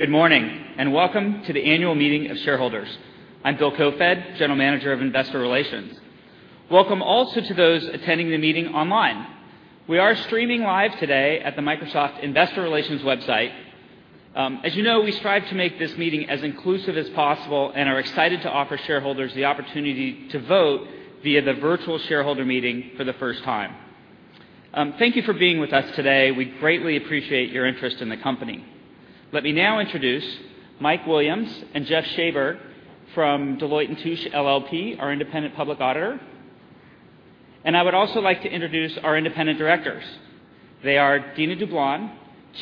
Good morning, and welcome to the annual meeting of shareholders. I'm Bill Koefoed, general manager of investor relations. Welcome also to those attending the meeting online. We are streaming live today at the Microsoft Investor Relations website. As you know, we strive to make this meeting as inclusive as possible and are excited to offer shareholders the opportunity to vote via the virtual shareholder meeting for the first time. Thank you for being with us today. We greatly appreciate your interest in the company. Let me now introduce Mike Williams and Jeff Shaver from Deloitte & Touche LLP, our independent public auditor. I would also like to introduce our independent directors. They are Dina Dublon,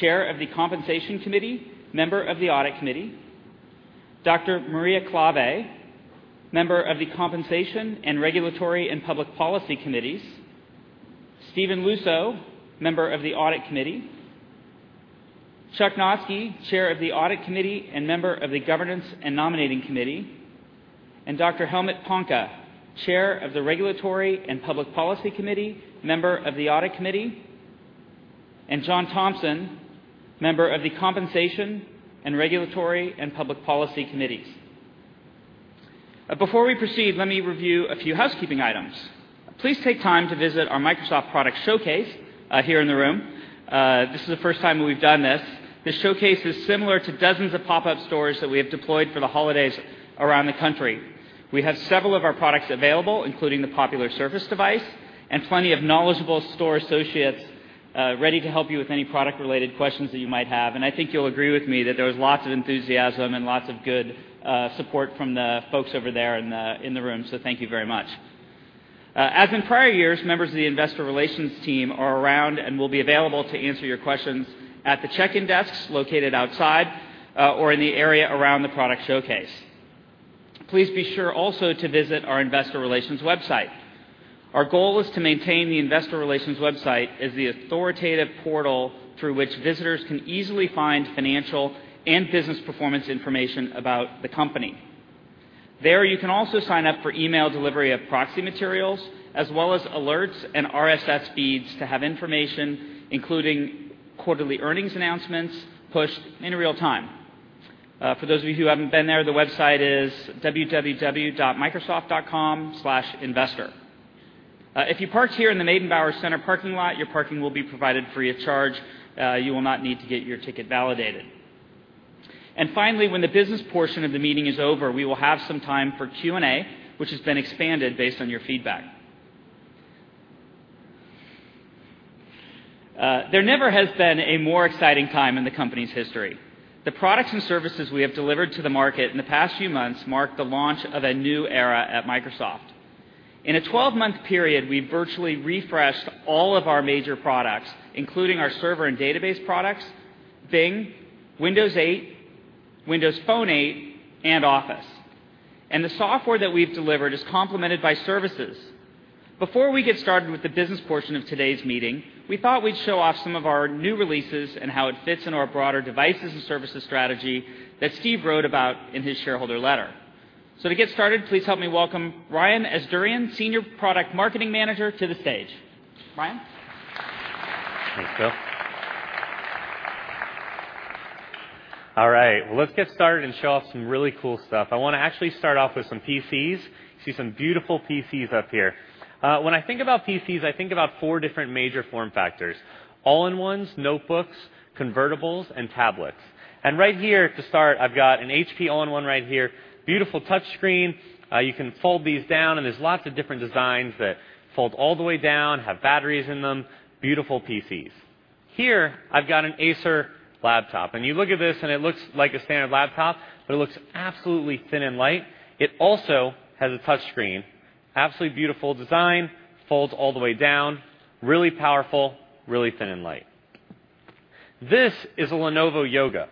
chair of the compensation committee, member of the audit committee, Dr. Maria Klawe, member of the compensation and regulatory and public policy committees, Stephen Luczo, member of the audit committee, Chuck Noski, chair of the audit committee and member of the governance and nominating committee, Dr. Helmut Panke, chair of the regulatory and public policy committee, member of the audit committee, and John Thompson, member of the compensation and regulatory and public policy committees. Before we proceed, let me review a few housekeeping items. Please take time to visit our Microsoft product showcase here in the room. This is the first time that we've done this. This showcase is similar to dozens of pop-up stores that we have deployed for the holidays around the country. We have several of our products available, including the popular Surface device and plenty of knowledgeable store associates ready to help you with any product-related questions that you might have. I think you'll agree with me that there was lots of enthusiasm and lots of good support from the folks over there in the room. Thank you very much. As in prior years, members of the investor relations team are around and will be available to answer your questions at the check-in desks located outside or in the area around the product showcase. Please be sure also to visit our investor relations website. Our goal is to maintain the investor relations website as the authoritative portal through which visitors can easily find financial and business performance information about the company. There, you can also sign up for email delivery of proxy materials, as well as alerts and RSS feeds to have information, including quarterly earnings announcements, pushed in real time. For those of you who haven't been there, the website is www.microsoft.com/investor. If you parked here in the Meydenbauer Center parking lot, your parking will be provided free of charge. You will not need to get your ticket validated. Finally, when the business portion of the meeting is over, we will have some time for Q&A, which has been expanded based on your feedback. There never has been a more exciting time in the company's history. The products and services we have delivered to the market in the past few months mark the launch of a new era at Microsoft. In a 12-month period, we virtually refreshed all of our major products, including our server and database products, Bing, Windows 8, Windows Phone 8, and Office. The software that we've delivered is complemented by services. Before we get started with the business portion of today's meeting, we thought we'd show off some of our new releases and how it fits into our broader devices and services strategy that Steve wrote about in his shareholder letter. To get started, please help me welcome Ryan Asdourian, Senior Product Marketing Manager to the stage. Ryan? Thanks, Bill. All right. Let's get started and show off some really cool stuff. I want to actually start off with some PCs. You see some beautiful PCs up here. When I think about PCs, I think about four different major form factors: all-in-ones, notebooks, convertibles, and tablets. Right here to start, I've got an HP all-in-one right here. Beautiful touch screen. You can fold these down, and there's lots of different designs that fold all the way down, have batteries in them. Beautiful PCs. Here, I've got an Acer laptop, and you look at this, and it looks like a standard laptop, but it looks absolutely thin and light. It also has a touch screen. Absolutely beautiful design. Folds all the way down. Really powerful, really thin and light. This is a Lenovo Yoga.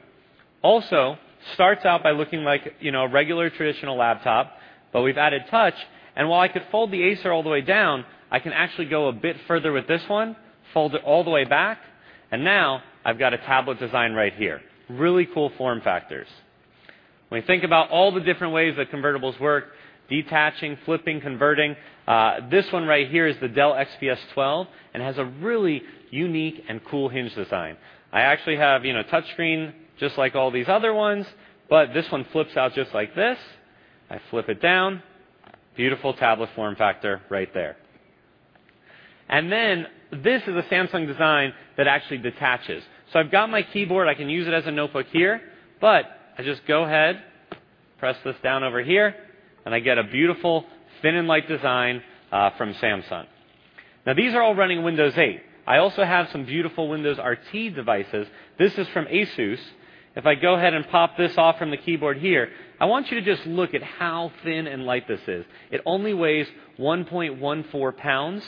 Also starts out by looking like a regular, traditional laptop, but we've added touch. While I could fold the Acer all the way down, I can actually go a bit further with this one, fold it all the way back, and now I've got a tablet design right here. Really cool form factors. When we think about all the different ways that convertibles work, detaching, flipping, converting, this one right here is the Dell XPS 12 and has a really unique and cool hinge design. I actually have a touch screen just like all these other ones, but this one flips out just like this. I flip it down. Beautiful tablet form factor right there. Then this is a Samsung design that actually detaches. I've got my keyboard. I can use it as a notebook here, but I just go ahead, press this down over here, and I get a beautiful thin and light design from Samsung. These are all running Windows 8. I also have some beautiful Windows RT devices. This is from Asus. If I go ahead and pop this off from the keyboard here, I want you to just look at how thin and light this is. It only weighs 1.14 pounds.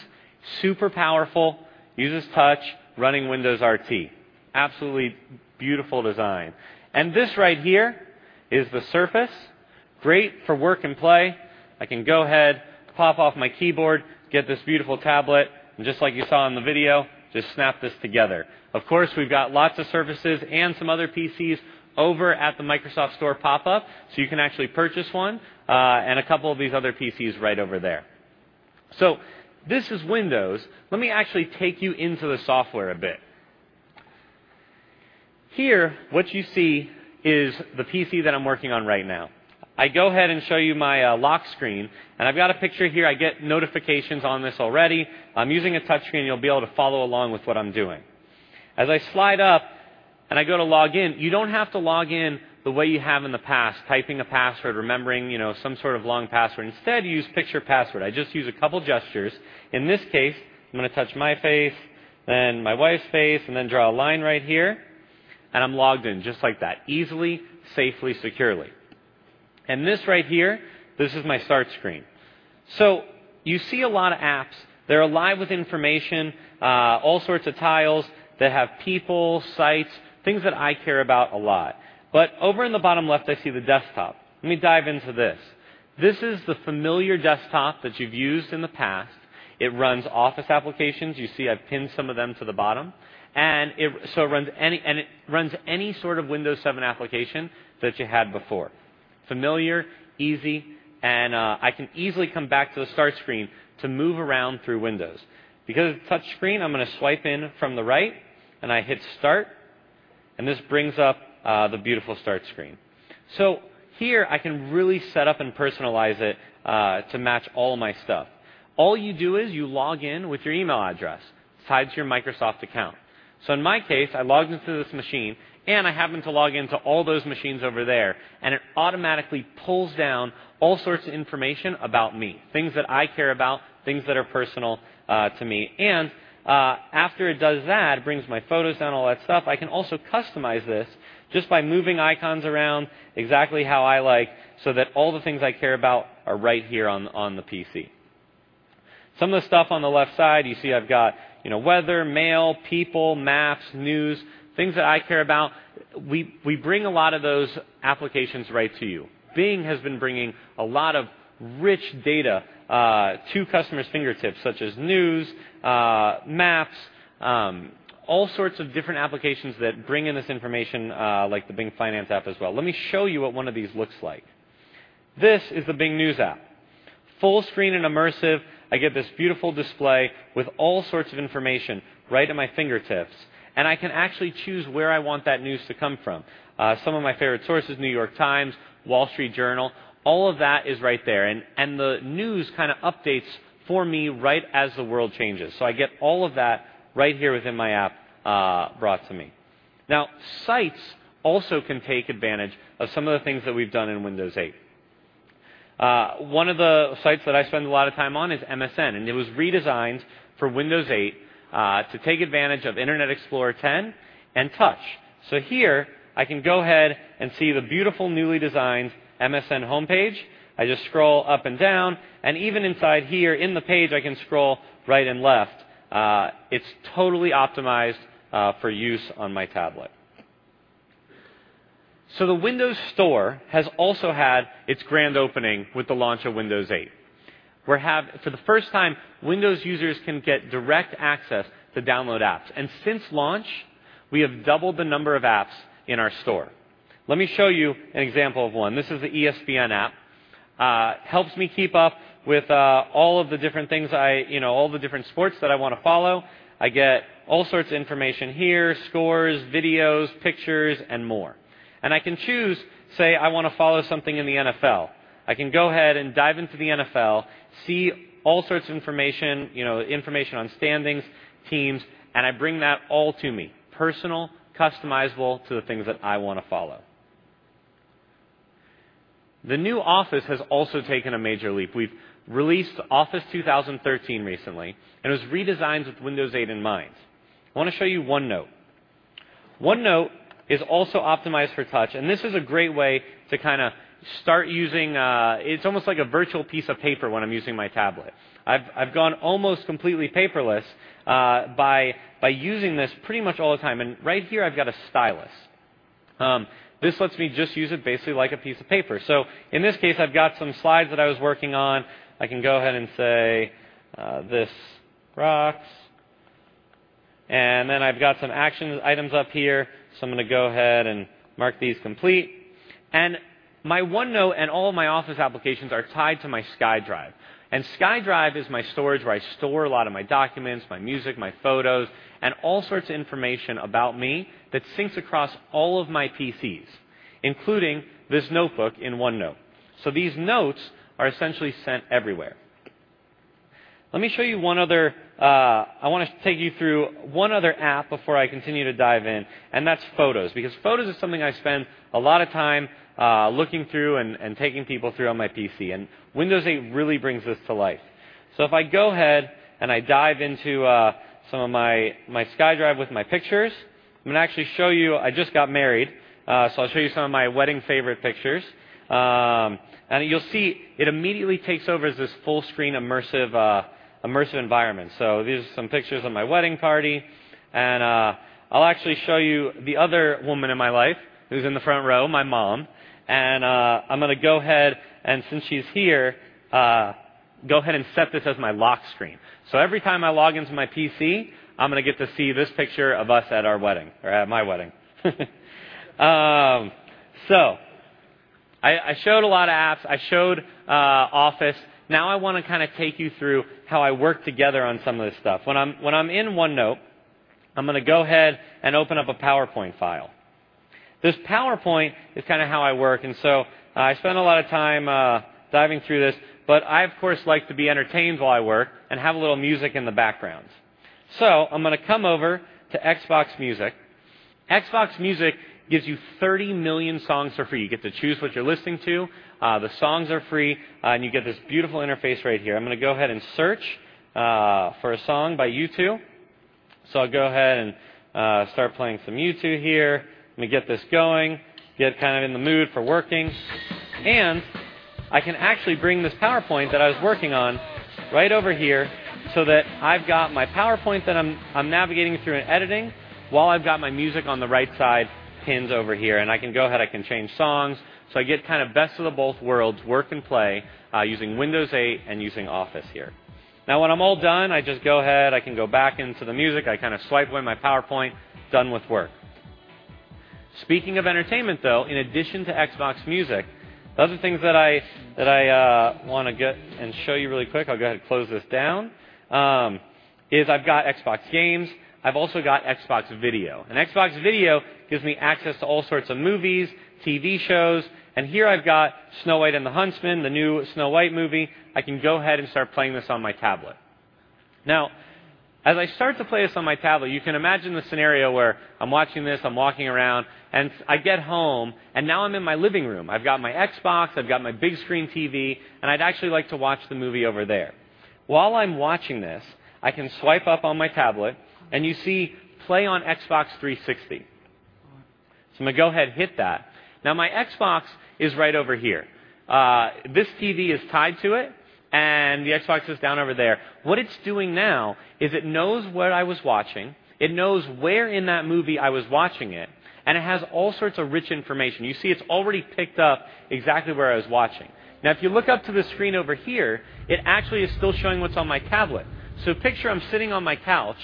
Super powerful. Uses touch. Running Windows RT. Absolutely beautiful design. This right here is the Surface. Great for work and play. I can go ahead, pop off my keyboard, get this beautiful tablet, and just like you saw in the video, just snap this together. Of course, we've got lots of Surfaces and some other PCs over at the Microsoft Store pop-up, so you can actually purchase one and a couple of these other PCs right over there. This is Windows. Let me actually take you into the software a bit. Here, what you see is the PC that I'm working on right now. I go ahead and show you my lock screen, and I've got a picture here. I get notifications on this already. I'm using a touch screen. You'll be able to follow along with what I'm doing. As I slide up and I go to log in, you don't have to log in the way you have in the past, typing a password, remembering some sort of long password. Instead, use picture password. I just use a couple of gestures. In this case, I'm going to touch my face and my wife's face and then draw a line right here, and I'm logged in just like that, easily, safely, securely. This right here, this is my Start screen. You see a lot of apps. They're alive with information, all sorts of tiles that have people, sites, things that I care about a lot. But over in the bottom left, I see the desktop. Let me dive into this. This is the familiar desktop that you've used in the past. It runs Office applications. You see I've pinned some of them to the bottom. It runs any sort of Windows 7 application that you had before. Familiar, easy, and I can easily come back to the Start screen to move around through Windows. Because it's a touch screen, I'm going to swipe in from the right, and I hit Start. This brings up the beautiful Start screen. Here I can really set up and personalize it to match all my stuff. All you do is you log in with your email address tied to your Microsoft account. In my case, I logged into this machine, and I happen to log into all those machines over there, and it automatically pulls down all sorts of information about me, things that I care about, things that are personal to me. After it does that, it brings my photos down, all that stuff. I can also customize this just by moving icons around exactly how I like so that all the things I care about are right here on the PC. Some of the stuff on the left side, you see I've got weather, mail, people, maps, news, things that I care about. We bring a lot of those applications right to you. Bing has been bringing a lot of rich data to customers' fingertips, such as news, maps, all sorts of different applications that bring in this information, like the Bing Finance app as well. Let me show you what one of these looks like. This is the Bing News app. Full screen and immersive, I get this beautiful display with all sorts of information right at my fingertips, and I can actually choose where I want that news to come from. Some of my favorite sources, New York Times, Wall Street Journal, all of that is right there. The news kind of updates for me right as the world changes. I get all of that right here within my app brought to me. Sites also can take advantage of some of the things that we've done in Windows 8. One of the sites that I spend a lot of time on is MSN, and it was redesigned for Windows 8 to take advantage of Internet Explorer 10 and touch. Here I can go ahead and see the beautiful newly designed MSN homepage. I just scroll up and down, and even inside here in the page, I can scroll right and left. It's totally optimized for use on my tablet. The Windows Store has also had its grand opening with the launch of Windows 8, where for the first time, Windows users can get direct access to download apps. Since launch, we have doubled the number of apps in our store. Let me show you an example of one. This is the ESPN app. Helps me keep up with all of the different things, all the different sports that I want to follow. I get all sorts of information here, scores, videos, pictures, and more. I can choose, say, I want to follow something in the NFL. I can go ahead and dive into the NFL, see all sorts of information on standings, teams, and I bring that all to me, personal, customizable to the things that I want to follow. The new Office has also taken a major leap. We've released Office 2013 recently, and it was redesigned with Windows 8 in mind. I want to show you OneNote. OneNote is also optimized for touch, and this is a great way to kind of start using-- It's almost like a virtual piece of paper when I'm using my tablet. I've gone almost completely paperless by using this pretty much all the time. Right here, I've got a stylus. This lets me just use it basically like a piece of paper. In this case, I've got some slides that I was working on. I can go ahead and say, "This rocks." Then I've got some action items up here. I'm going to go ahead and mark these complete. My OneNote and all of my Office applications are tied to my SkyDrive. SkyDrive is my storage where I store a lot of my documents, my music, my photos, and all sorts of information about me that syncs across all of my PCs, including this notebook in OneNote. These notes are essentially sent everywhere. Let me show you one other-- I want to take you through one other app before I continue to dive in, and that's Photos, because photos is something I spend a lot of time looking through and taking people through on my PC. Windows 8 really brings this to life. If I go ahead and I dive into some of my SkyDrive with my pictures, I'm going to actually show you-- I just got married. I'll show you some of my wedding favorite pictures. You'll see it immediately takes over as this full-screen immersive environment. These are some pictures of my wedding party. I'll actually show you the other woman in my life who's in the front row, my mom. I'm going to go ahead, and since she's here, go ahead and set this as my lock screen. Every time I log into my PC, I'm going to get to see this picture of us at our wedding or at my wedding. I showed a lot of apps. I showed Office. Now I want to kind of take you through how I work together on some of this stuff. When I'm in OneNote, I'm going to go ahead and open up a PowerPoint file. This PowerPoint is kind of how I work, I spend a lot of time diving through this, I, of course, like to be entertained while I work and have a little music in the background. I'm going to come over to Xbox Music. Xbox Music gives you 30 million songs for free. You get to choose what you're listening to. The songs are free, and you get this beautiful interface right here. I'm going to go ahead and search for a song by U2. I'll go ahead and start playing some U2 here. Let me get this going, get kind of in the mood for working. I can actually bring this PowerPoint that I was working on right over here so that I've got my PowerPoint that I'm navigating through and editing while I've got my music on the right side pinned over here. I can go ahead, I can change songs. I get kind of best of the both worlds, work and play, using Windows 8 and using Office here. Now, when I'm all done, I just go ahead. I can go back into the music. I kind of swipe away my PowerPoint. Done with work. Speaking of entertainment, though, in addition to Xbox Music, the other things that I want to get and show you really quick, I'll go ahead and close this down, is I've got Xbox Games. I've also got Xbox Video. Xbox Video gives me access to all sorts of movies, TV shows, and here I've got Snow White and the Huntsman, the new Snow White movie. I can go ahead and start playing this on my tablet. As I start to play this on my tablet, you can imagine the scenario where I'm watching this, I'm walking around, and I get home, and now I'm in my living room. I've got my Xbox, I've got my big screen TV, and I'd actually like to watch the movie over there. While I'm watching this, I can swipe up on my tablet, and you see Play on Xbox 360. I'm going to go ahead and hit that. My Xbox is right over here. This TV is tied to it, and the Xbox is down over there. What it's doing now is it knows what I was watching. It knows where in that movie I was watching it, and it has all sorts of rich information. You see it's already picked up exactly where I was watching. If you look up to the screen over here, it actually is still showing what's on my tablet. Picture I'm sitting on my couch,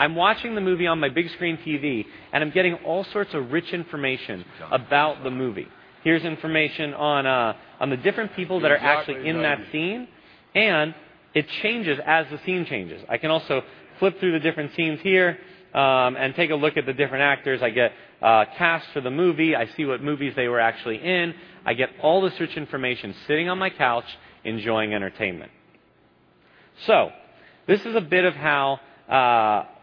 I'm watching the movie on my big screen TV, and I'm getting all sorts of rich information about the movie. Here's information on the different people that are actually in that scene, and it changes as the scene changes. I can also flip through the different scenes here and take a look at the different actors. I get cast for the movie. I see what movies they were actually in. I get all the search information sitting on my couch, enjoying entertainment. This is a bit of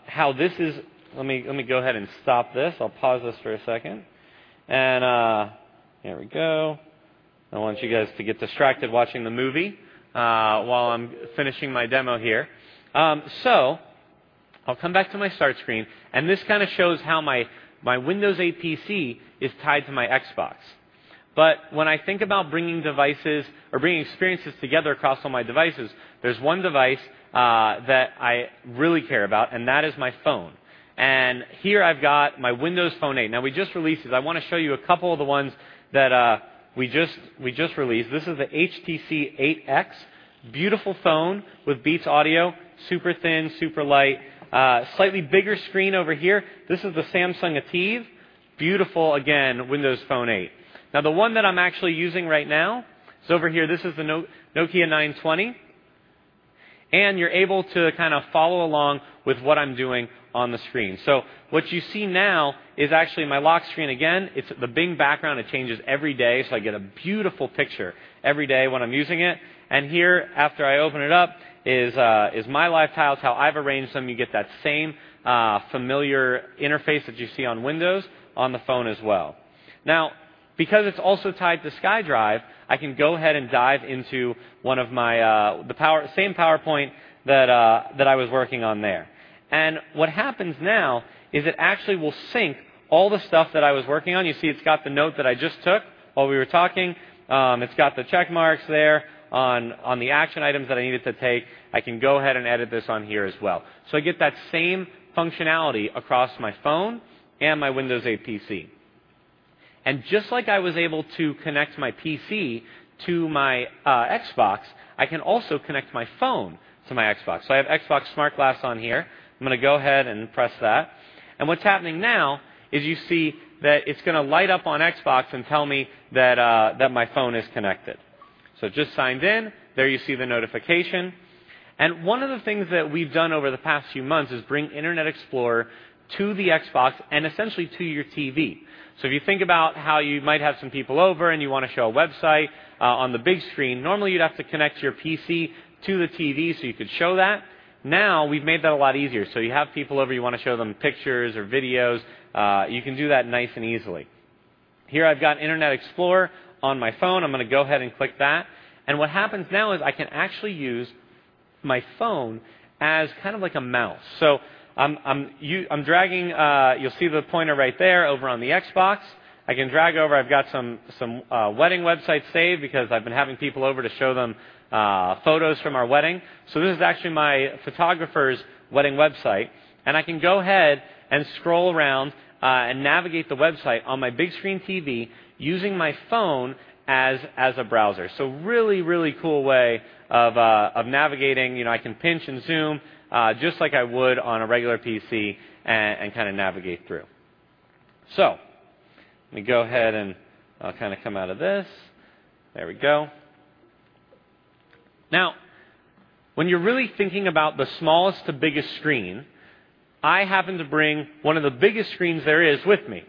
how this is. Let me go ahead and stop this. I'll pause this for a second. Here we go. I don't want you guys to get distracted watching the movie while I'm finishing my demo here. I'll come back to my start screen, and this kind of shows how my Windows 8 PC is tied to my Xbox. When I think about bringing devices or bringing experiences together across all my devices, there's one device that I really care about, and that is my phone. Here I've got my Windows Phone 8. We just released this. I want to show you a couple of the ones that we just released. This is the HTC 8X. Beautiful phone with Beats Audio, super thin, super light. Slightly bigger screen over here. This is the Samsung ATIV. Beautiful, again, Windows Phone 8. The one that I'm actually using right now is over here. This is the Nokia 920. You're able to kind of follow along with what I'm doing on the screen. What you see now is actually my lock screen. Again, it's the Bing background. It changes every day, so I get a beautiful picture every day when I'm using it. Here, after I open it up, is my live tiles, how I've arranged them. You get that same familiar interface that you see on Windows on the phone as well. Because it's also tied to SkyDrive, I can go ahead and dive into the same PowerPoint that I was working on there. What happens now is it actually will sync all the stuff that I was working on. You see it's got the note that I just took while we were talking. It's got the check marks there on the action items that I needed to take. I can go ahead and edit this on here as well. I get that same functionality across my phone and my Windows 8 PC. Just like I was able to connect my PC to my Xbox, I can also connect my phone to my Xbox. I have Xbox SmartGlass on here. I'm going to go ahead and press that. What's happening now is you see that it's going to light up on Xbox and tell me that my phone is connected. It just signed in. There you see the notification. One of the things that we've done over the past few months is bring Internet Explorer to the Xbox and essentially to your TV. If you think about how you might have some people over and you want to show a website on the big screen, normally you'd have to connect your PC to the TV so you could show that. Now we've made that a lot easier. You have people over, you want to show them pictures or videos, you can do that nice and easily. Here I've got Internet Explorer on my phone. I'm going to go ahead and click that. What happens now is I can actually use my phone as kind of like a mouse. You'll see the pointer right there over on the Xbox. I can drag over. I've got some wedding websites saved because I've been having people over to show them photos from our wedding. This is actually my photographer's wedding website. I can go ahead and scroll around and navigate the website on my big screen TV using my phone as a browser. Really, really cool way of navigating. I can pinch and zoom just like I would on a regular PC and kind of navigate through. Let me go ahead and I'll kind of come out of this. There we go. Now, when you're really thinking about the smallest to biggest screen, I happened to bring one of the biggest screens there is with me.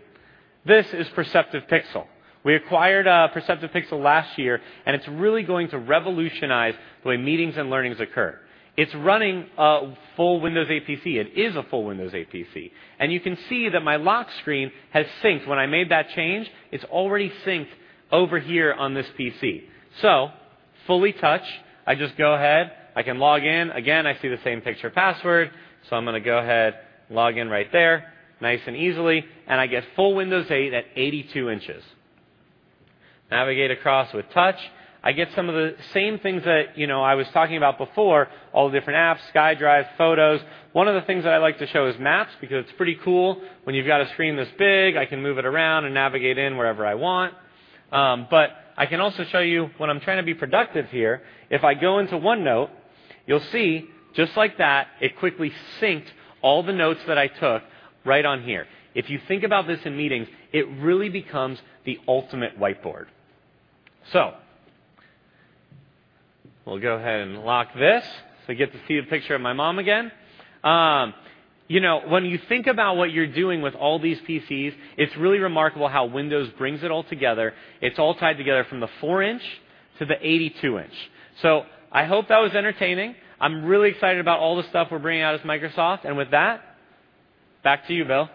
This is Perceptive Pixel. We acquired Perceptive Pixel last year, and it's really going to revolutionize the way meetings and learnings occur. It's running a full Windows 8 PC. It is a full Windows 8 PC. You can see that my lock screen has synced. When I made that change, it's already synced over here on this PC. Fully touch, I just go ahead, I can log in. Again, I see the same picture password, I'm going to go ahead, log in right there, nice and easily, and I get full Windows 8 at 82 inches. Navigate across with touch. I get some of the same things that I was talking about before, all the different apps, SkyDrive, Photos. One of the things that I like to show is Maps because it's pretty cool when you've got a screen this big. I can move it around and navigate in wherever I want. I can also show you when I'm trying to be productive here, if I go into OneNote, you'll see just like that, it quickly synced all the notes that I took right on here. If you think about this in meetings, it really becomes the ultimate whiteboard. We'll go ahead and lock this. I get to see the picture of my mom again. When you think about what you're doing with all these PCs, it's really remarkable how Windows brings it all together. It's all tied together from the four inch to the 82 inch. I hope that was entertaining. I'm really excited about all the stuff we're bringing out as Microsoft, and with that, back to you, Bill.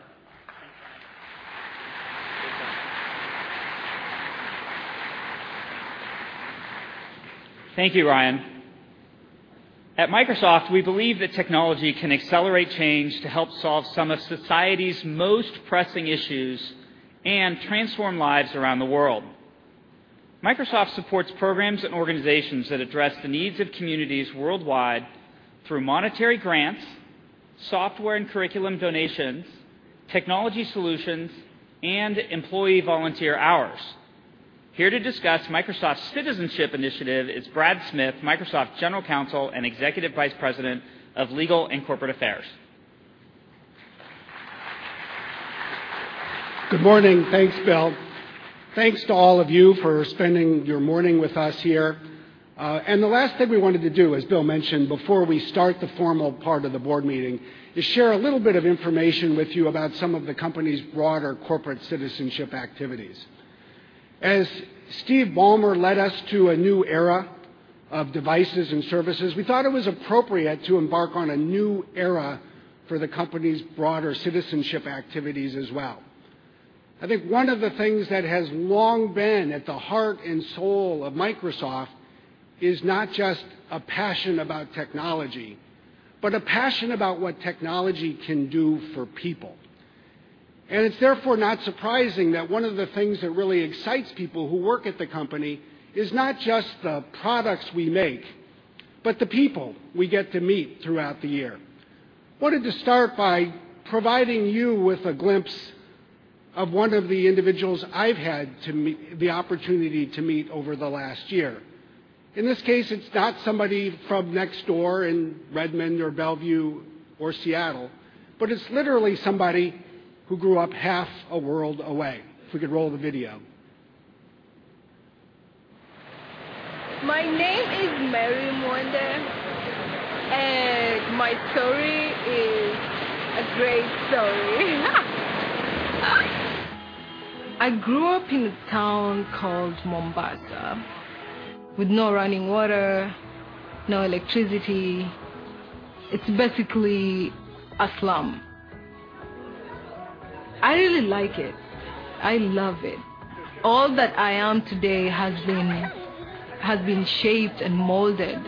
Thank you, Ryan. At Microsoft, we believe that technology can accelerate change to help solve some of society's most pressing issues and transform lives around the world. Microsoft supports programs and organizations that address the needs of communities worldwide through monetary grants, software and curriculum donations, technology solutions, and employee volunteer hours. Here to discuss Microsoft's Citizenship Initiative is Brad Smith, Microsoft General Counsel and Executive Vice President of Legal and Corporate Affairs. Good morning. Thanks, Bill. Thanks to all of you for spending your morning with us here. The last thing we wanted to do, as Bill mentioned, before we start the formal part of the board meeting, is share a little bit of information with you about some of the company's broader corporate citizenship activities. As Steve Ballmer led us to a new era of devices and services, we thought it was appropriate to embark on a new era for the company's broader citizenship activities as well. I think one of the things that has long been at the heart and soul of Microsoft is not just a passion about technology, but a passion about what technology can do for people. It's therefore not surprising that one of the things that really excites people who work at the company is not just the products we make, but the people we get to meet throughout the year. Wanted to start by providing you with a glimpse of one of the individuals I've had the opportunity to meet over the last year. In this case, it's not somebody from next door in Redmond or Bellevue or Seattle, but it's literally somebody who grew up half a world away. If we could roll the video. My name is Mary Mwende, and my story is a great story. I grew up in a town called Mombasa with no running water, no electricity. It's basically a slum. I really like it. I love it. All that I am today has been shaped and molded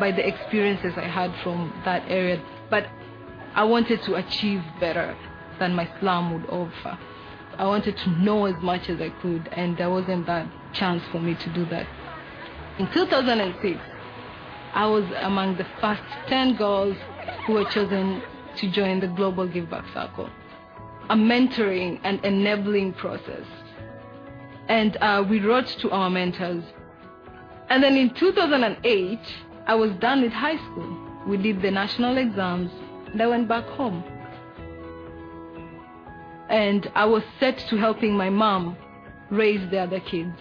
by the experiences I had from that area, but I wanted to achieve better than my slum would offer. I wanted to know as much as I could, and there wasn't that chance for me to do that. In 2006, I was among the first 10 girls who were chosen to join the Global Give Back Circle, a mentoring and enabling process. We wrote to our mentors. Then in 2008, I was done with high school. We did the national exams, and I went back home. I was set to helping my mom raise the other kids.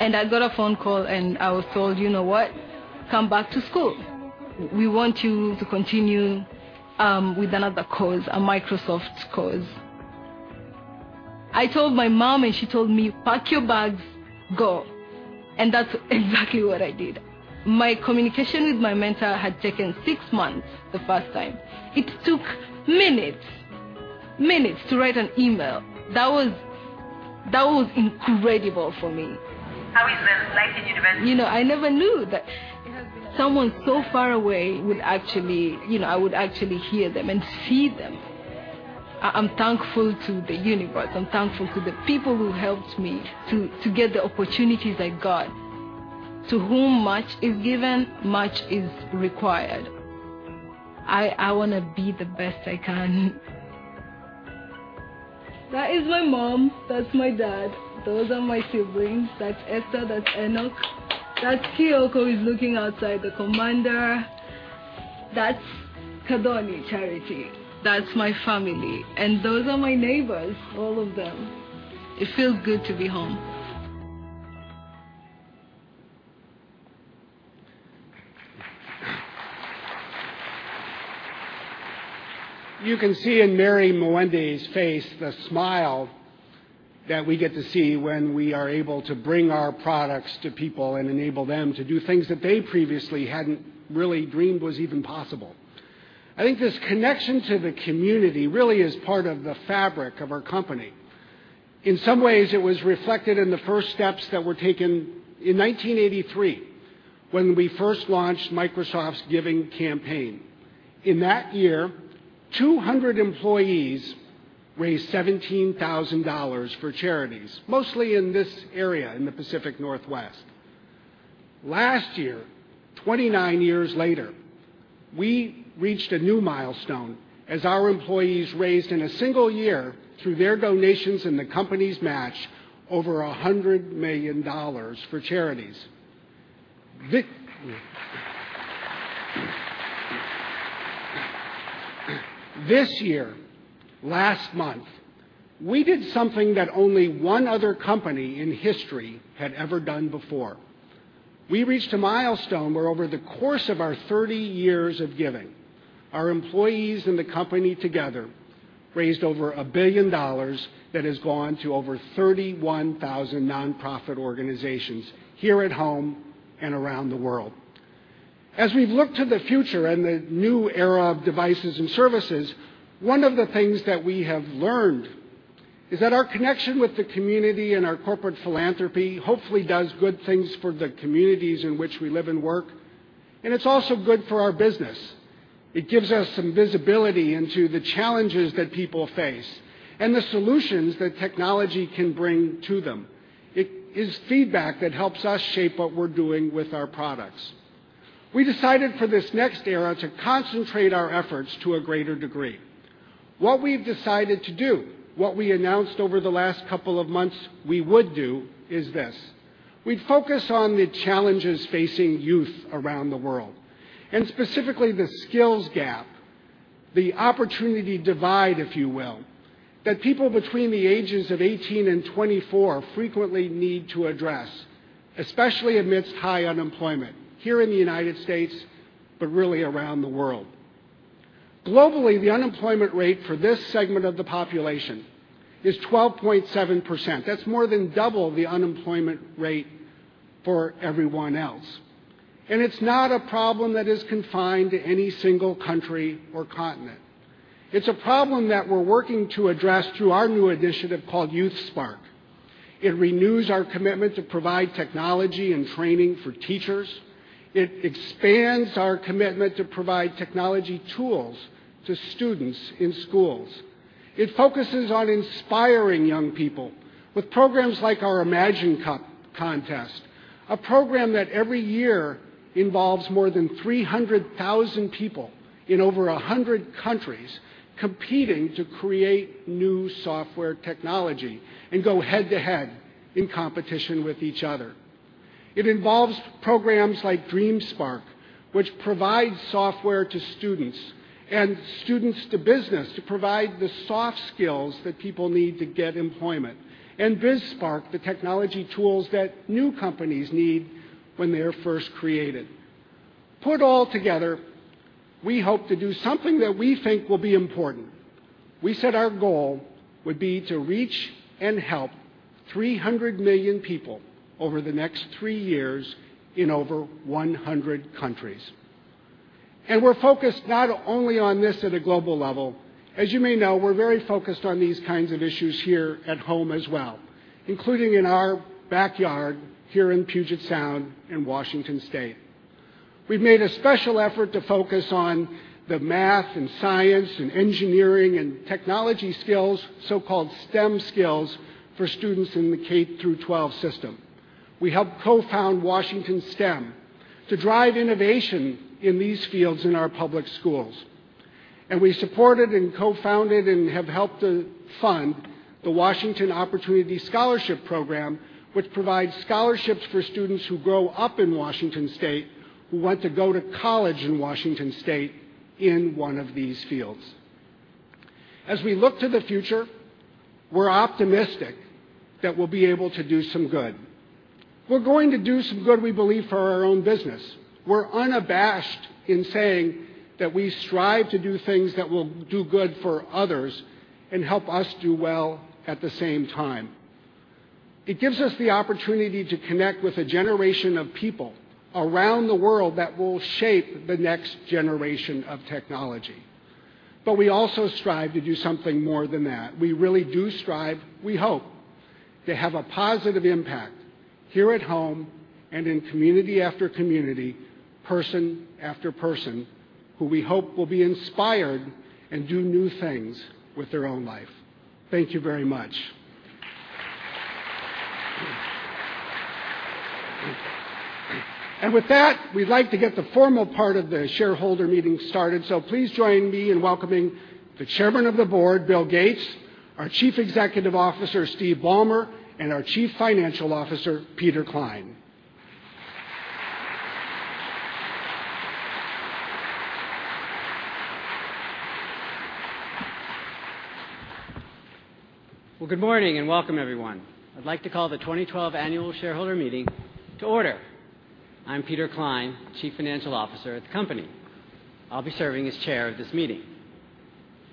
I got a phone call and I was told, "You know what? Come back to school. We want you to continue with another course, a Microsoft course." I told my mom, and she told me, "Pack your bags. Go." That's exactly what I did. My communication with my mentor had taken 6 months the first time. It took minutes to write an email. That was incredible for me. How is life in university? I never knew that someone so far away would actually hear them and see them. I'm thankful to the universe. I'm thankful to the people who helped me to get the opportunities I got. To whom much is given, much is required. I want to be the best I can. That is my mom. That's my dad. Those are my siblings. That's Esther. That's Enoch. That's Kioko, who's looking outside. The commander. That's Kadoni Charity. That's my family, and those are my neighbors, all of them. It feels good to be home. You can see in Mary Mwende's face the smile that we get to see when we are able to bring our products to people and enable them to do things that they previously hadn't really dreamed was even possible. I think this connection to the community really is part of the fabric of our company. In some ways, it was reflected in the first steps that were taken in 1983 when we first launched Microsoft's giving campaign. In that year, 200 employees raised $17,000 for charities, mostly in this area, in the Pacific Northwest. Last year, 29 years later, we reached a new milestone as our employees raised in a single year, through their donations and the company's match, over $100 million for charities. This year, last month, we did something that only one other company in history had ever done before. We reached a milestone where over the course of our 30 years of giving, our employees and the company together raised over $1 billion that has gone to over 31,000 nonprofit organizations here at home and around the world. As we've looked to the future and the new era of devices and services, one of the things that we have learned is that our connection with the community and our corporate philanthropy hopefully does good things for the communities in which we live and work, and it's also good for our business. It gives us some visibility into the challenges that people face and the solutions that technology can bring to them. It is feedback that helps us shape what we're doing with our products. We decided for this next era to concentrate our efforts to a greater degree. What we've decided to do, what we announced over the last couple of months we would do, is this. We'd focus on the challenges facing youth around the world, and specifically the skills gap, the opportunity divide, if you will, that people between the ages of 18 and 24 frequently need to address, especially amidst high unemployment here in the U.S., but really around the world. Globally, the unemployment rate for this segment of the population is 12.7%. That's more than double the unemployment rate for everyone else. It's not a problem that is confined to any single country or continent. It's a problem that we're working to address through our new initiative called YouthSpark. It renews our commitment to provide technology and training for teachers. It expands our commitment to provide technology tools to students in schools. It focuses on inspiring young people with programs like our Imagine Cup contest, a program that every year involves more than 300,000 people in over 100 countries competing to create new software technology and go head-to-head in competition with each other. It involves programs like DreamSpark, which provides software to students and students to business to provide the soft skills that people need to get employment. BizSpark, the technology tools that new companies need when they are first created. Put all together, we hope to do something that we think will be important. We said our goal would be to reach and help 300 million people over the next three years in over 100 countries. We're focused not only on this at a global level. As you may know, we're very focused on these kinds of issues here at home as well, including in our backyard here in Puget Sound in Washington State. We've made a special effort to focus on the math and science and engineering and technology skills, so-called STEM skills, for students in the K through 12 system. We helped co-found Washington STEM to drive innovation in these fields in our public schools. We supported and co-founded and have helped to fund the Washington Opportunity Scholarship program, which provides scholarships for students who grow up in Washington State who want to go to college in Washington State in one of these fields. As we look to the future, we're optimistic that we'll be able to do some good. We're going to do some good, we believe, for our own business. We're unabashed in saying that we strive to do things that will do good for others and help us do well at the same time. It gives us the opportunity to connect with a generation of people around the world that will shape the next generation of technology. We also strive to do something more than that. We really do strive, we hope, to have a positive impact here at home and in community after community, person after person, who we hope will be inspired and do new things with their own life. Thank you very much. With that, we'd like to get the formal part of the shareholder meeting started, so please join me in welcoming the Chairman of the Board, Bill Gates. Our Chief Executive Officer, Steve Ballmer, and our Chief Financial Officer, Peter Klein. Well, good morning, and welcome, everyone. I'd like to call the 2012 annual shareholder meeting to order. I'm Peter Klein, Chief Financial Officer at the company. I'll be serving as chair of this meeting.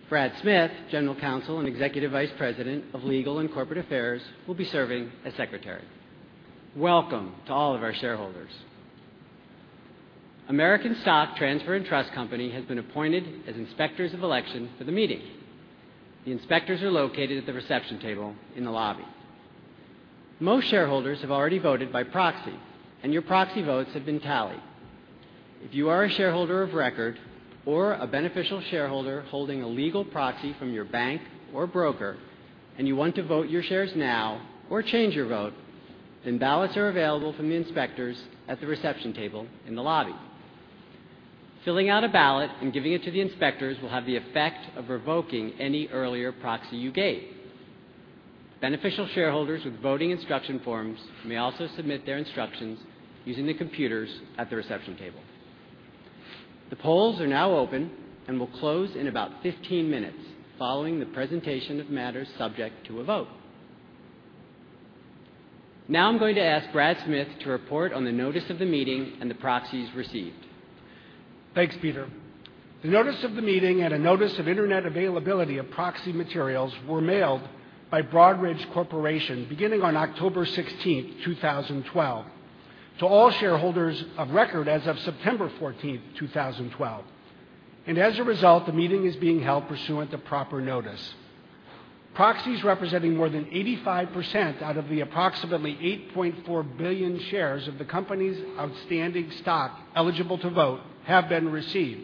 Brad Smith, General Counsel and Executive Vice President of Legal and Corporate Affairs, will be serving as secretary. Welcome to all of our shareholders. American Stock Transfer & Trust Company has been appointed as inspectors of election for the meeting. The inspectors are located at the reception table in the lobby. Most shareholders have already voted by proxy, and your proxy votes have been tallied. If you are a shareholder of record or a beneficial shareholder holding a legal proxy from your bank or broker and you want to vote your shares now or change your vote, ballots are available from the inspectors at the reception table in the lobby. Filling out a ballot and giving it to the inspectors will have the effect of revoking any earlier proxy you gave. Beneficial shareholders with voting instruction forms may also submit their instructions using the computers at the reception table. The polls are now open and will close in about 15 minutes following the presentation of matters subject to a vote. I'm going to ask Brad Smith to report on the notice of the meeting and the proxies received. Thanks, Peter. The notice of the meeting and a notice of internet availability of proxy materials were mailed by Broadridge Corporation beginning on October 16, 2012, to all shareholders of record as of September 14, 2012. As a result, the meeting is being held pursuant to proper notice. Proxies representing more than 85% out of the approximately 8.4 billion shares of the company's outstanding stock eligible to vote have been received,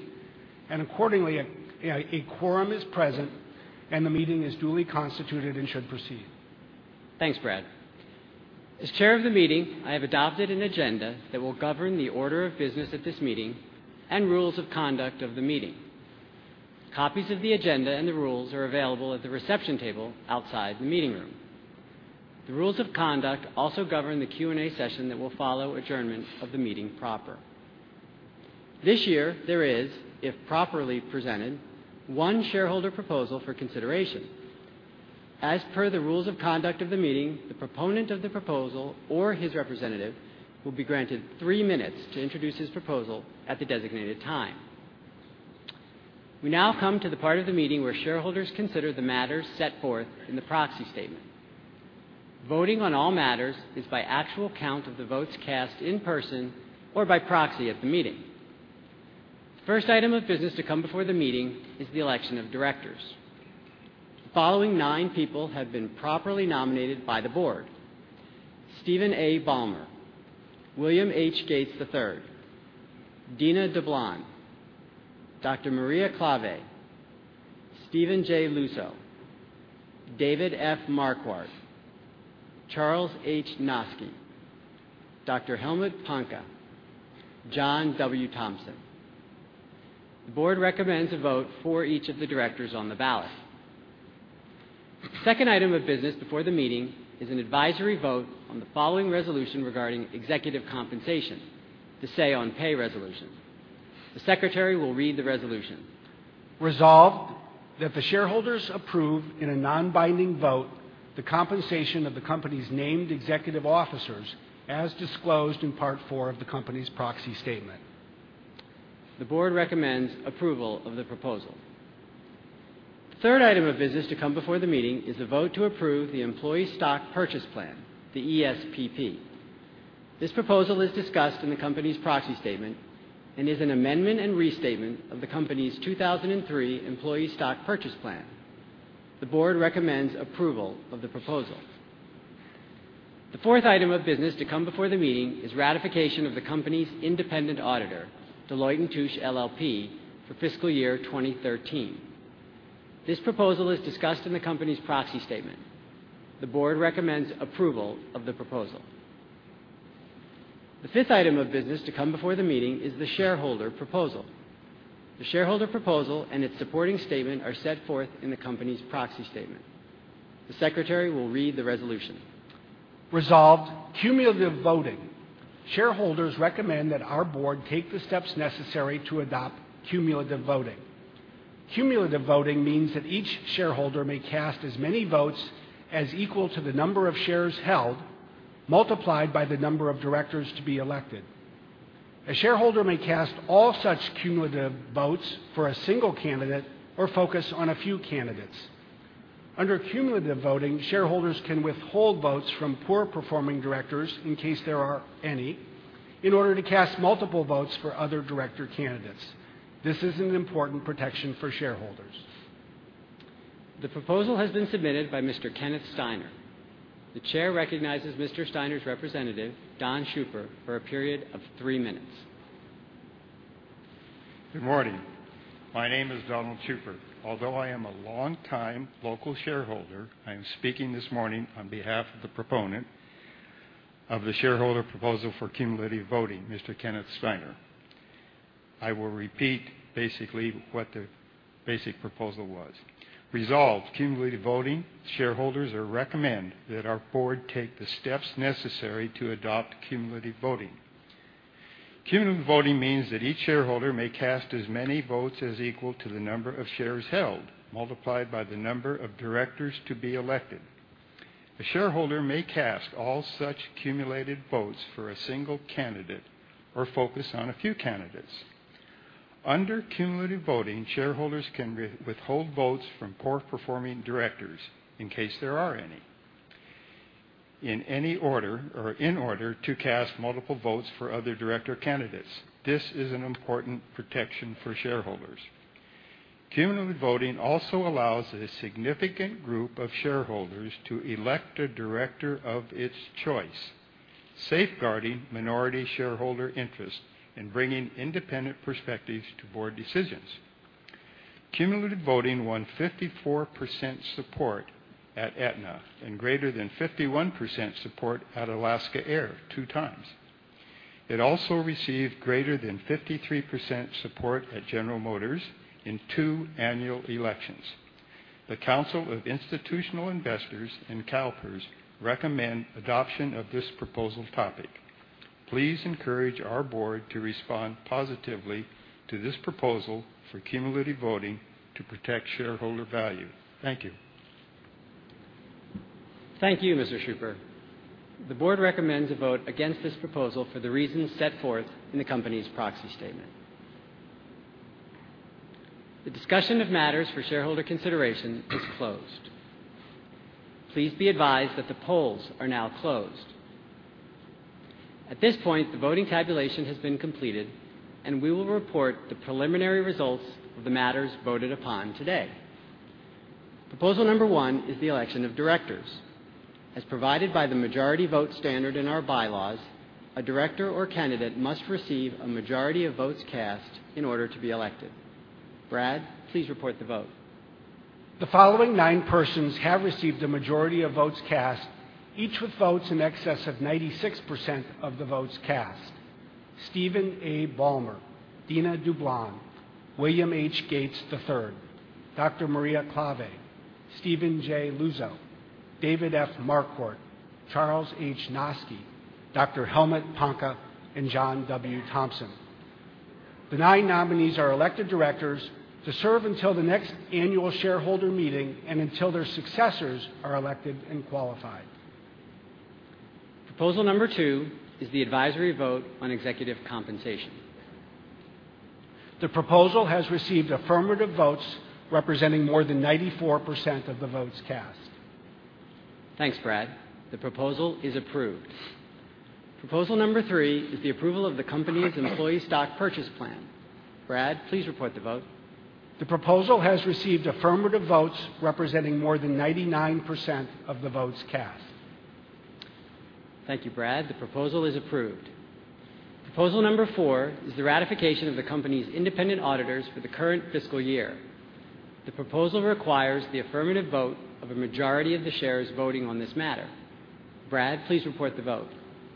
accordingly, a quorum is present, the meeting is duly constituted and should proceed. Thanks, Brad. As chair of the meeting, I have adopted an agenda that will govern the order of business at this meeting and rules of conduct of the meeting. Copies of the agenda and the rules are available at the reception table outside the meeting room. The rules of conduct also govern the Q&A session that will follow adjournment of the meeting proper. This year, there is, if properly presented, one shareholder proposal for consideration. As per the rules of conduct of the meeting, the proponent of the proposal or his representative will be granted three minutes to introduce his proposal at the designated time. We now come to the part of the meeting where shareholders consider the matters set forth in the proxy statement. Voting on all matters is by actual count of the votes cast in person or by proxy at the meeting. The first item of business to come before the meeting is the election of directors. The following nine people have been properly nominated by the board: Steven A. Ballmer, William H. Gates III, Dina Dublon, Dr. Maria Klawe, Stephen J. Luczo, David F. Marquardt, Charles H. Noski, Dr. Helmut Panke, John W. Thompson. The board recommends a vote for each of the directors on the ballot. The second item of business before the meeting is an advisory vote on the following resolution regarding executive compensation, the Say on Pay resolution. The secretary will read the resolution. Resolved that the shareholders approve, in a non-binding vote, the compensation of the company's named executive officers as disclosed in Part Four of the company's proxy statement. The board recommends approval of the proposal. The third item of business to come before the meeting is a vote to approve the employee stock purchase plan, the ESPP. This proposal is discussed in the company's proxy statement and is an amendment and restatement of the company's 2003 employee stock purchase plan. The board recommends approval of the proposal. The fourth item of business to come before the meeting is ratification of the company's independent auditor, Deloitte & Touche LLP, for fiscal year 2013. This proposal is discussed in the company's proxy statement. The board recommends approval of the proposal. The fifth item of business to come before the meeting is the shareholder proposal. The shareholder proposal and its supporting statement are set forth in the company's proxy statement. The secretary will read the resolution. Resolved cumulative voting. Shareholders recommend that our board take the steps necessary to adopt cumulative voting. Cumulative voting means that each shareholder may cast as many votes as equal to the number of shares held, multiplied by the number of directors to be elected. A shareholder may cast all such cumulative votes for a single candidate or focus on a few candidates. Under cumulative voting, shareholders can withhold votes from poor-performing directors, in case there are any, in order to cast multiple votes for other director candidates. This is an important protection for shareholders. The proposal has been submitted by Mr. Kenneth Steiner. The chair recognizes Mr. Steiner's representative, Don Schuppert, for a period of three minutes. Good morning. My name is Donald Schuppert. Although I am a longtime local shareholder, I am speaking this morning on behalf of the proponent of the shareholder proposal for cumulative voting, Mr. Kenneth Steiner. I will repeat basically what the basic proposal was. Resolved, cumulative voting shareholders recommend that our board take the steps necessary to adopt cumulative voting. Cumulative voting means that each shareholder may cast as many votes as equal to the number of shares held, multiplied by the number of directors to be elected. A shareholder may cast all such cumulative votes for a single candidate or focus on a few candidates. Under cumulative voting, shareholders can withhold votes from poor-performing directors, in case there are any, in order to cast multiple votes for other director candidates. This is an important protection for shareholders. Cumulative voting also allows a significant group of shareholders to elect a director of its choice, safeguarding minority shareholder interest and bringing independent perspectives to board decisions. Cumulative voting won 54% support at Aetna and greater than 51% support at Alaska Air two times. It also received greater than 53% support at General Motors in two annual elections. The Council of Institutional Investors and CalPERS recommend adoption of this proposal topic. Please encourage our board to respond positively to this proposal for cumulative voting to protect shareholder value. Thank you. Thank you, Mr. Schuppert. The board recommends a vote against this proposal for the reasons set forth in the company's proxy statement. The discussion of matters for shareholder consideration is closed. Please be advised that the polls are now closed. At this point, the voting tabulation has been completed, and we will report the preliminary results of the matters voted upon today. Proposal number one is the election of directors. As provided by the majority vote standard in our bylaws, a director or candidate must receive a majority of votes cast in order to be elected. Brad, please report the vote. The following nine persons have received a majority of votes cast, each with votes in excess of 96% of the votes cast. Steven A. Ballmer, Dina Dublon, William H. Gates III, Dr. Maria Klawe, Stephen J. Luczo, David F. Marquardt, Charles H. Noski, Dr. Helmut Panke, and John W. Thompson. The nine nominees are elected directors to serve until the next annual shareholder meeting and until their successors are elected and qualified. Proposal number two is the advisory vote on executive compensation. The proposal has received affirmative votes representing more than 94% of the votes cast. Thanks, Brad. The proposal is approved. Proposal number three is the approval of the company's Employee Stock Purchase Plan. Brad, please report the vote. The proposal has received affirmative votes representing more than 99% of the votes cast. Thank you, Brad. The proposal is approved. Proposal number four is the ratification of the company's independent auditors for the current fiscal year. The proposal requires the affirmative vote of a majority of the shares voting on this matter. Brad, please report the vote.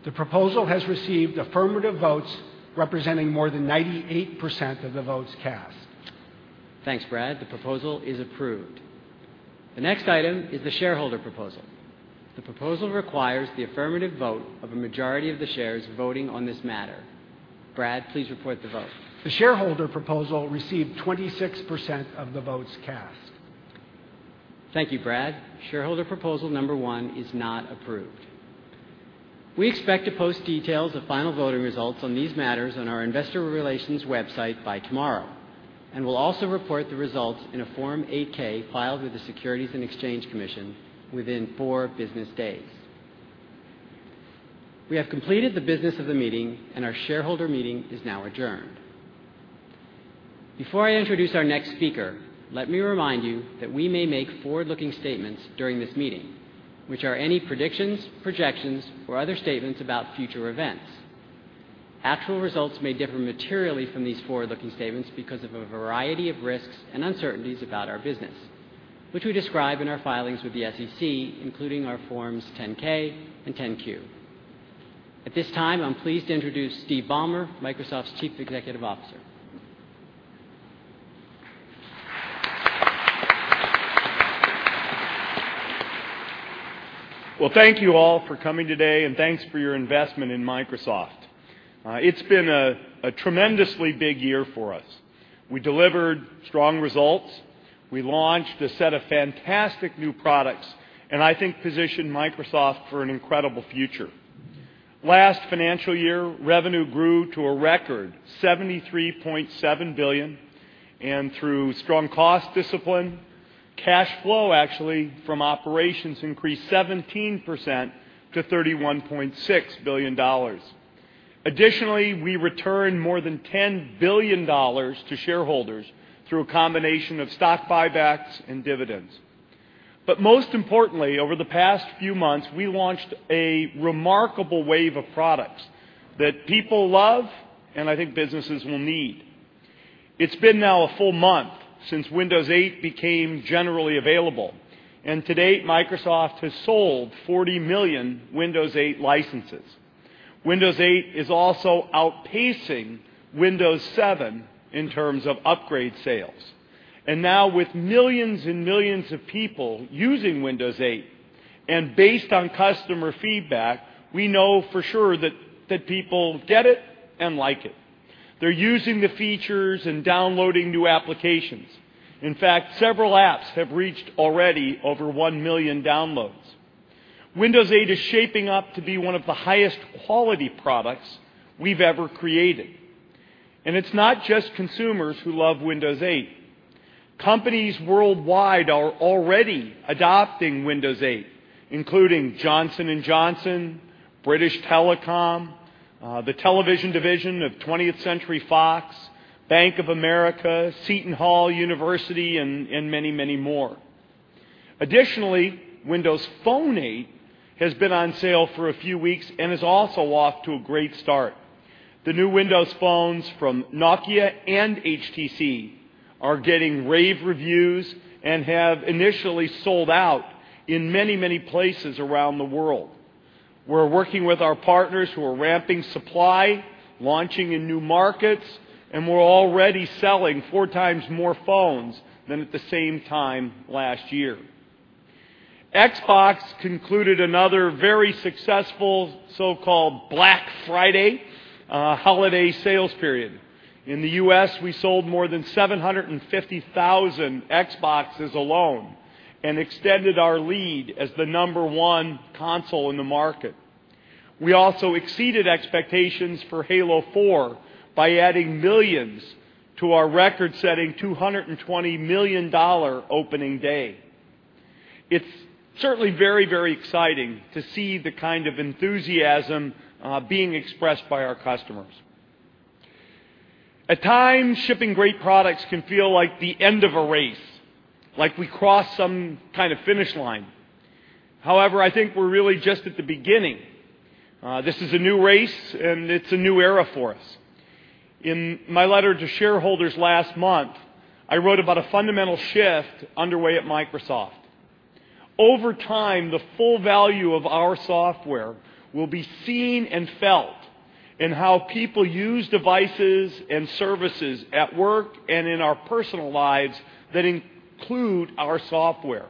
The proposal has received affirmative votes representing more than 98% of the votes cast. Thanks, Brad. The proposal is approved. The next item is the shareholder proposal. The proposal requires the affirmative vote of a majority of the shares voting on this matter. Brad, please report the vote. The shareholder proposal received 26% of the votes cast. Thank you, Brad. Shareholder proposal number one is not approved. We expect to post details of final voting results on these matters on our investor relations website by tomorrow. We'll also report the results in a Form 8-K filed with the Securities and Exchange Commission within four business days. We have completed the business of the meeting. Our shareholder meeting is now adjourned. Before I introduce our next speaker, let me remind you that we may make forward-looking statements during this meeting, which are any predictions, projections, or other statements about future events. Actual results may differ materially from these forward-looking statements because of a variety of risks and uncertainties about our business, which we describe in our filings with the SEC, including our Forms 10-K and 10-Q. At this time, I'm pleased to introduce Steve Ballmer, Microsoft's Chief Executive Officer. Well, thank you all for coming today. Thanks for your investment in Microsoft. It's been a tremendously big year for us. We delivered strong results, we launched a set of fantastic new products, and I think positioned Microsoft for an incredible future. Last financial year, revenue grew to a record $73.7 billion. Through strong cost discipline, cash flow actually from operations increased 17% to $31.6 billion. Additionally, we returned more than $10 billion to shareholders through a combination of stock buybacks and dividends. Most importantly, over the past few months, we launched a remarkable wave of products that people love and I think businesses will need. It's been now a full month since Windows 8 became generally available. To date, Microsoft has sold 40 million Windows 8 licenses. Windows 8 is also outpacing Windows 7 in terms of upgrade sales. Now with millions of people using Windows 8, and based on customer feedback, we know for sure that people get it and like it. They're using the features and downloading new applications. In fact, several apps have reached already over 1 million downloads. Windows 8 is shaping up to be one of the highest quality products we've ever created. It's not just consumers who love Windows 8. Companies worldwide are already adopting Windows 8, including Johnson & Johnson, British Telecom, the television division of 20th Century Fox, Bank of America, Seton Hall University, and many more. Additionally, Windows Phone 8 has been on sale for a few weeks and is also off to a great start. The new Windows phones from Nokia and HTC are getting rave reviews and have initially sold out in many places around the world. We're working with our partners who are ramping supply, launching in new markets, and we're already selling four times more phones than at the same time last year. Xbox concluded another very successful so-called Black Friday holiday sales period. In the U.S., we sold more than 750,000 Xboxes alone and extended our lead as the number one console in the market. We also exceeded expectations for Halo 4 by adding millions to our record-setting $220 million opening day. It's certainly very exciting to see the kind of enthusiasm being expressed by our customers. At times, shipping great products can feel like the end of a race, like we cross some kind of finish line. However, I think we're really just at the beginning. This is a new race, and it's a new era for us. In my letter to shareholders last month, I wrote about a fundamental shift underway at Microsoft. Over time, the full value of our software will be seen and felt in how people use devices and services at work and in our personal lives that include our software.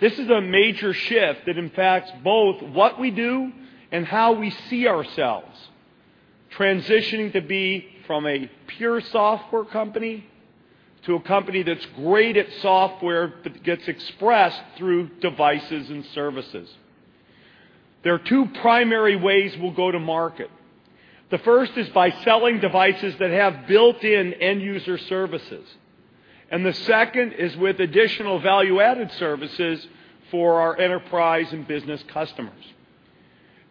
This is a major shift that impacts both what we do and how we see ourselves transitioning to be from a pure software company to a company that's great at software, but gets expressed through devices and services. There are two primary ways we'll go to market. The first is by selling devices that have built-in end-user services, and the second is with additional value-added services for our enterprise and business customers.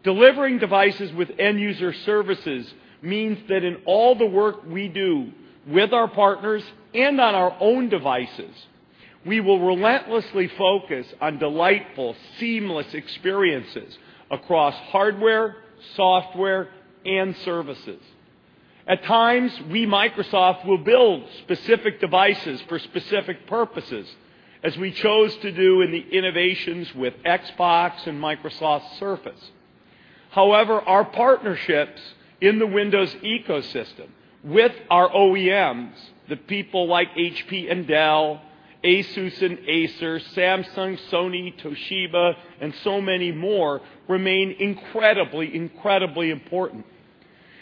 Delivering devices with end-user services means that in all the work we do with our partners and on our own devices, we will relentlessly focus on delightful, seamless experiences across hardware, software, and services. At times, we, Microsoft, will build specific devices for specific purposes, as we chose to do in the innovations with Xbox and Microsoft Surface. However, our partnerships in the Windows ecosystem with our OEMs, the people like HP and Dell, Asus and Acer, Samsung, Sony, Toshiba, and so many more remain incredibly important.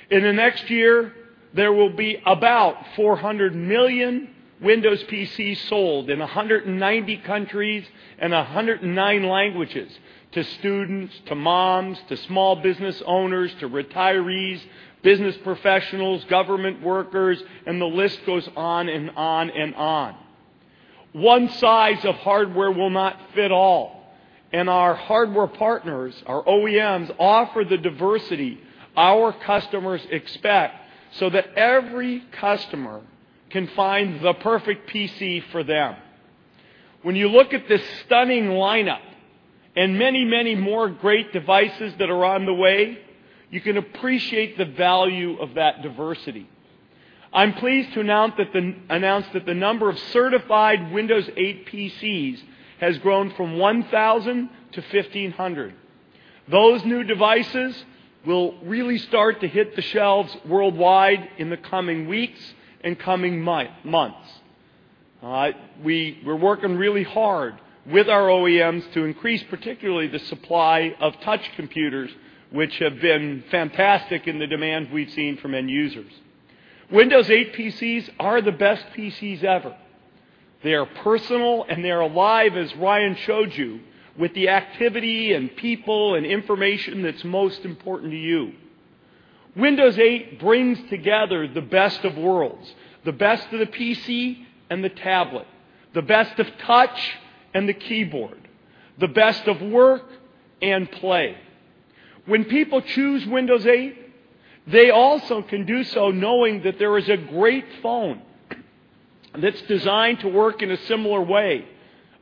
In the next year, there will be about 400 million Windows PCs sold in 190 countries and 109 languages to students, to moms, to small business owners, to retirees, business professionals, government workers, and the list goes on and on. One size of hardware will not fit all, our hardware partners, our OEMs, offer the diversity our customers expect so that every customer can find the perfect PC for them. When you look at this stunning lineup and many, many more great devices that are on the way, you can appreciate the value of that diversity. I'm pleased to announce that the number of certified Windows 8 PCs has grown from 1,000 to 1,500. Those new devices will really start to hit the shelves worldwide in the coming weeks and coming months. All right. We're working really hard with our OEMs to increase, particularly the supply of touch computers, which have been fantastic in the demand we've seen from end users. Windows 8 PCs are the best PCs ever. They are personal, and they're alive, as Ryan showed you, with the activity and people and information that's most important to you. Windows 8 brings together the best of worlds, the best of the PC and the tablet, the best of touch and the keyboard, the best of work and play. When people choose Windows 8, they also can do so knowing that there is a great phone. That's designed to work in a similar way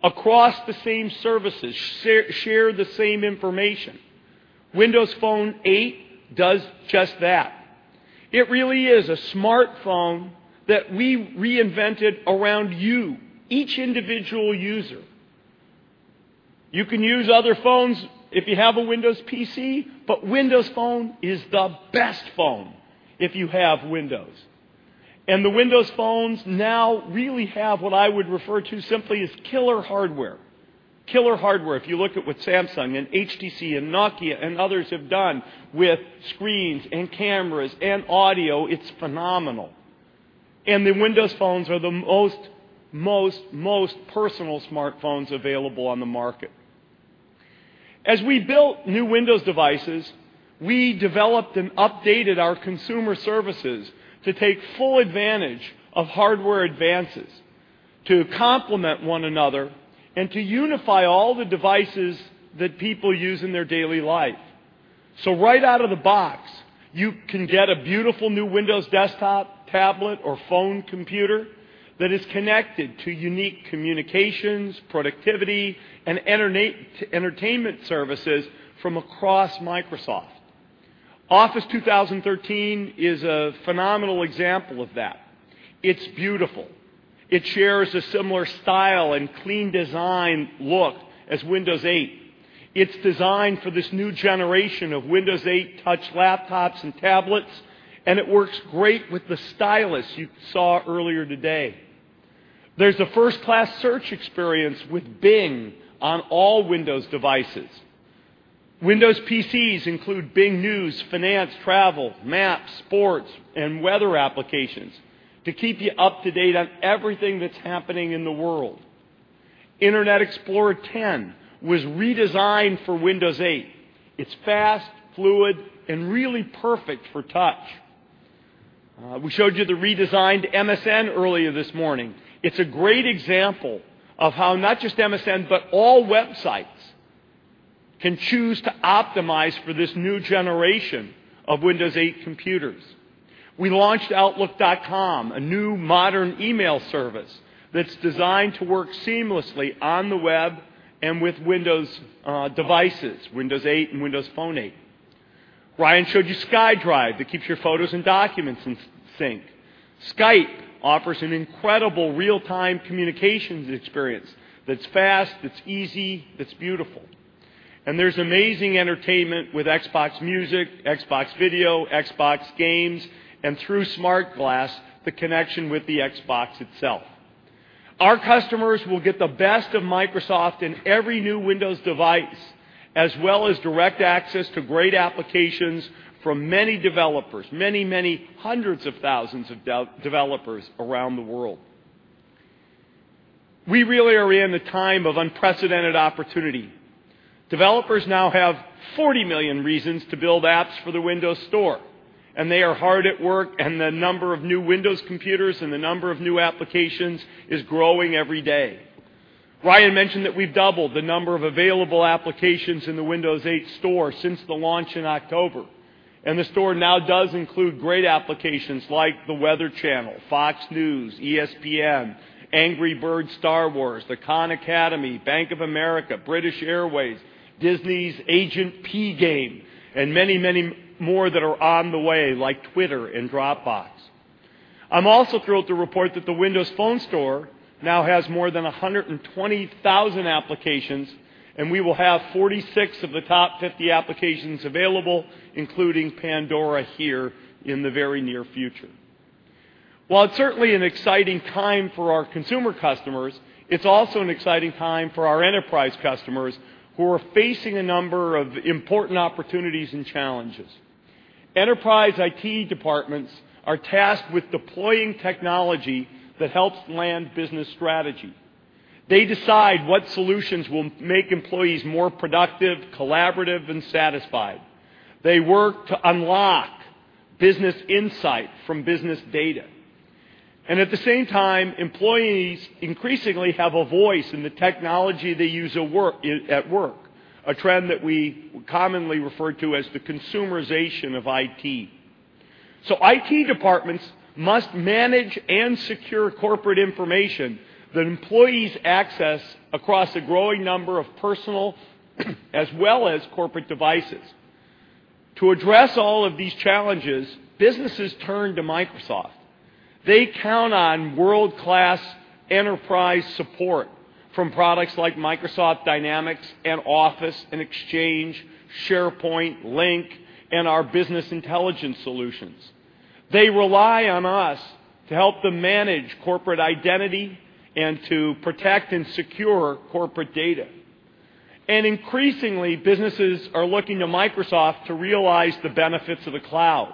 across the same services, share the same information. Windows Phone 8 does just that. It really is a smartphone that we reinvented around you, each individual user. You can use other phones if you have a Windows PC, but Windows Phone is the best phone if you have Windows. The Windows phones now really have what I would refer to simply as killer hardware. Killer hardware. If you look at what Samsung, HTC, Nokia, and others have done with screens and cameras and audio, it's phenomenal. The Windows phones are the most personal smartphones available on the market. As we built new Windows devices, we developed and updated our consumer services to take full advantage of hardware advances, to complement one another, and to unify all the devices that people use in their daily life. Right out of the box, you can get a beautiful new Windows desktop, tablet, or phone computer that is connected to unique communications, productivity, and entertainment services from across Microsoft. Office 2013 is a phenomenal example of that. It's beautiful. It shares a similar style and clean design look as Windows 8. It's designed for this new generation of Windows 8 touch laptops and tablets, it works great with the stylus you saw earlier today. There's a first-class search experience with Bing on all Windows devices. Windows PCs include Bing News, finance, travel, maps, sports, and weather applications to keep you up-to-date on everything that's happening in the world. Internet Explorer 10 was redesigned for Windows 8. It's fast, fluid, and really perfect for touch. We showed you the redesigned MSN earlier this morning. It's a great example of how not just MSN, but all websites can choose to optimize for this new generation of Windows 8 computers. We launched Outlook.com, a new modern email service that's designed to work seamlessly on the web and with Windows devices, Windows 8 and Windows Phone 8. Ryan showed you SkyDrive, that keeps your photos and documents in sync. Skype offers an incredible real-time communications experience that's fast, that's easy, that's beautiful. There's amazing entertainment with Xbox Music, Xbox Video, Xbox Games, and through SmartGlass, the connection with the Xbox itself. Our customers will get the best of Microsoft in every new Windows device, as well as direct access to great applications from many developers, many hundreds of thousands of developers around the world. We really are in the time of unprecedented opportunity. Developers now have 40 million reasons to build apps for the Windows Store, and they are hard at work, and the number of new Windows computers and the number of new applications is growing every day. Ryan mentioned that we've doubled the number of available applications in the Windows 8 store since the launch in October. The store now does include great applications like The Weather Channel, Fox News, ESPN, Angry Birds Star Wars, the Khan Academy, Bank of America, British Airways, Disney's Agent P game, and many, many more that are on the way, like Twitter and Dropbox. I'm also thrilled to report that the Windows Phone Store now has more than 120,000 applications, and we will have 46 of the top 50 applications available, including Pandora here in the very near future. While it's certainly an exciting time for our consumer customers, it's also an exciting time for our enterprise customers who are facing a number of important opportunities and challenges. Enterprise IT departments are tasked with deploying technology that helps land business strategy. They decide what solutions will make employees more productive, collaborative, and satisfied. They work to unlock business insight from business data. At the same time, employees increasingly have a voice in the technology they use at work, a trend that we commonly refer to as the consumerization of IT. IT departments must manage and secure corporate information that employees access across a growing number of personal as well as corporate devices. To address all of these challenges, businesses turn to Microsoft. They count on world-class enterprise support from products like Microsoft Dynamics, and Office, and Exchange, SharePoint, Lync, and our business intelligence solutions. They rely on us to help them manage corporate identity and to protect and secure corporate data. Increasingly, businesses are looking to Microsoft to realize the benefits of the cloud.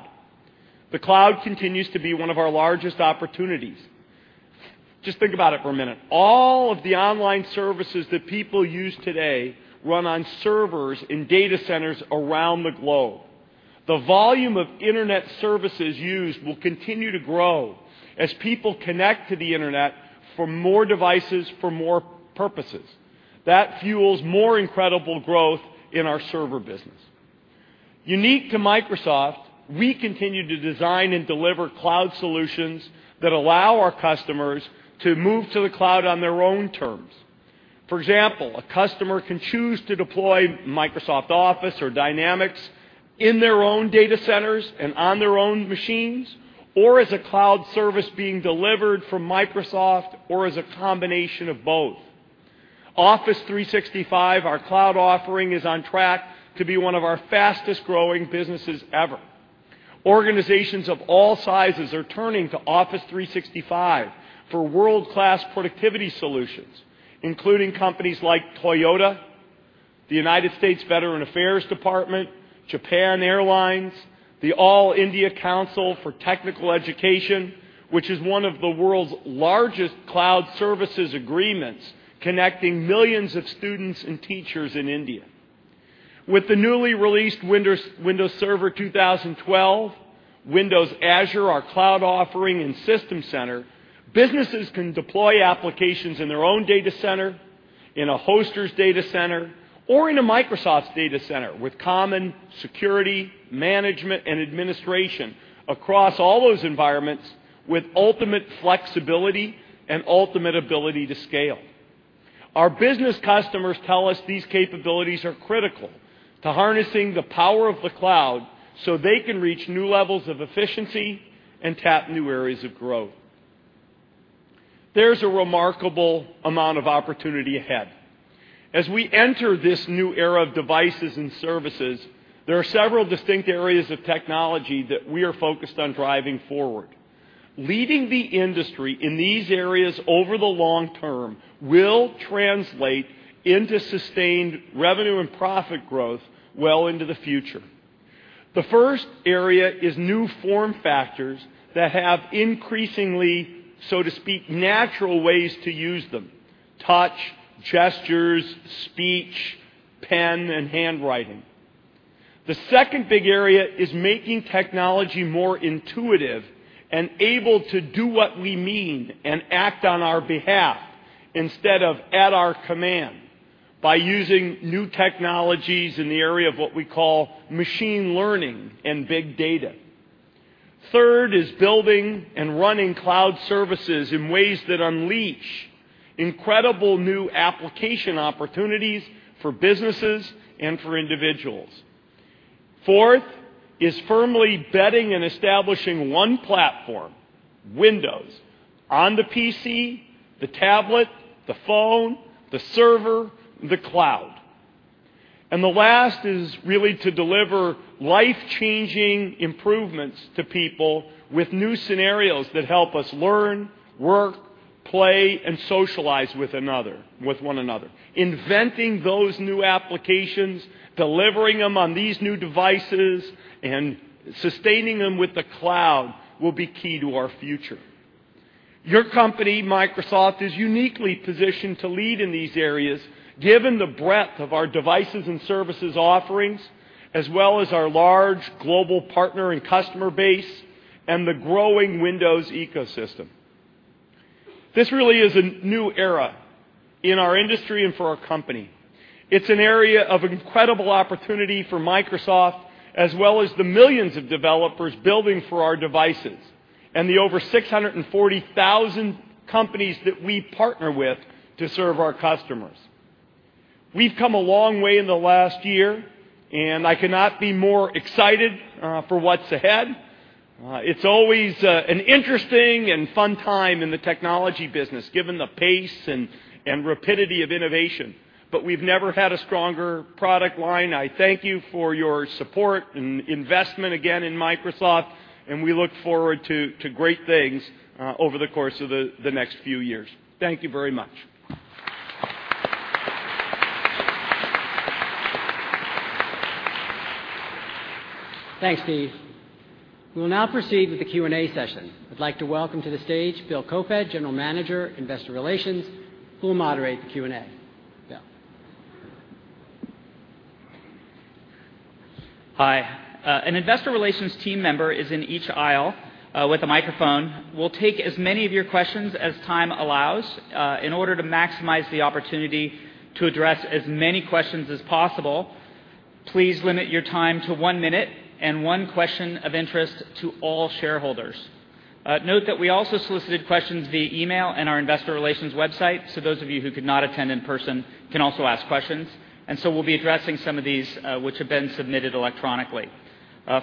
The cloud continues to be one of our largest opportunities. Just think about it for a minute. All of the online services that people use today run on servers in data centers around the globe. The volume of internet services used will continue to grow as people connect to the internet for more devices, for more purposes. That fuels more incredible growth in our server business. Unique to Microsoft, we continue to design and deliver cloud solutions that allow our customers to move to the cloud on their own terms. For example, a customer can choose to deploy Microsoft Office or Dynamics in their own data centers and on their own machines, or as a cloud service being delivered from Microsoft, or as a combination of both. Office 365, our cloud offering, is on track to be one of our fastest-growing businesses ever. Organizations of all sizes are turning to Office 365 for world-class productivity solutions, including companies like Toyota, the United States Department of Veterans Affairs, Japan Airlines, the All India Council for Technical Education, which is one of the world's largest cloud services agreements, connecting millions of students and teachers in India. With the newly released Windows Server 2012, Windows Azure, our cloud offering, and System Center, businesses can deploy applications in their own data center, in a hoster's data center, or into Microsoft's data center with common security, management, and administration across all those environments with ultimate flexibility and ultimate ability to scale. Our business customers tell us these capabilities are critical to harnessing the power of the cloud so they can reach new levels of efficiency and tap new areas of growth. There's a remarkable amount of opportunity ahead. As we enter this new era of devices and services, there are several distinct areas of technology that we are focused on driving forward. Leading the industry in these areas over the long term will translate into sustained revenue and profit growth well into the future. The first area is new form factors that have increasingly, so to speak, natural ways to use them: touch, gestures, speech, pen, and handwriting. The second big area is making technology more intuitive and able to do what we mean and act on our behalf instead of at our command by using new technologies in the area of what we call machine learning and big data. Third is building and running cloud services in ways that unleash incredible new application opportunities for businesses and for individuals. Fourth is firmly betting and establishing one platform, Windows, on the PC, the tablet, the phone, the server, the cloud. The last is really to deliver life-changing improvements to people with new scenarios that help us learn, work, play, and socialize with one another. Inventing those new applications, delivering them on these new devices, and sustaining them with the cloud will be key to our future. Your company, Microsoft, is uniquely positioned to lead in these areas, given the breadth of our devices and services offerings, as well as our large global partner and customer base and the growing Windows ecosystem. This really is a new era in our industry and for our company. It's an area of incredible opportunity for Microsoft, as well as the millions of developers building for our devices and the over 640,000 companies that we partner with to serve our customers. We've come a long way in the last year, I cannot be more excited for what's ahead. It's always an interesting and fun time in the technology business, given the pace and rapidity of innovation, We've never had a stronger product line. I thank you for your support and investment again in Microsoft, We look forward to great things over the course of the next few years. Thank you very much. Thanks, Steve. We'll now proceed with the Q&A session. I'd like to welcome to the stage Bill Koefoed, General Manager, Investor Relations, who will moderate the Q&A. Bill. Hi. An investor relations team member is in each aisle with a microphone. We'll take as many of your questions as time allows. In order to maximize the opportunity to address as many questions as possible, please limit your time to one minute and one question of interest to all shareholders. Note that we also solicited questions via email and our investor relations website, so those of you who could not attend in person can also ask questions, and so we'll be addressing some of these which have been submitted electronically.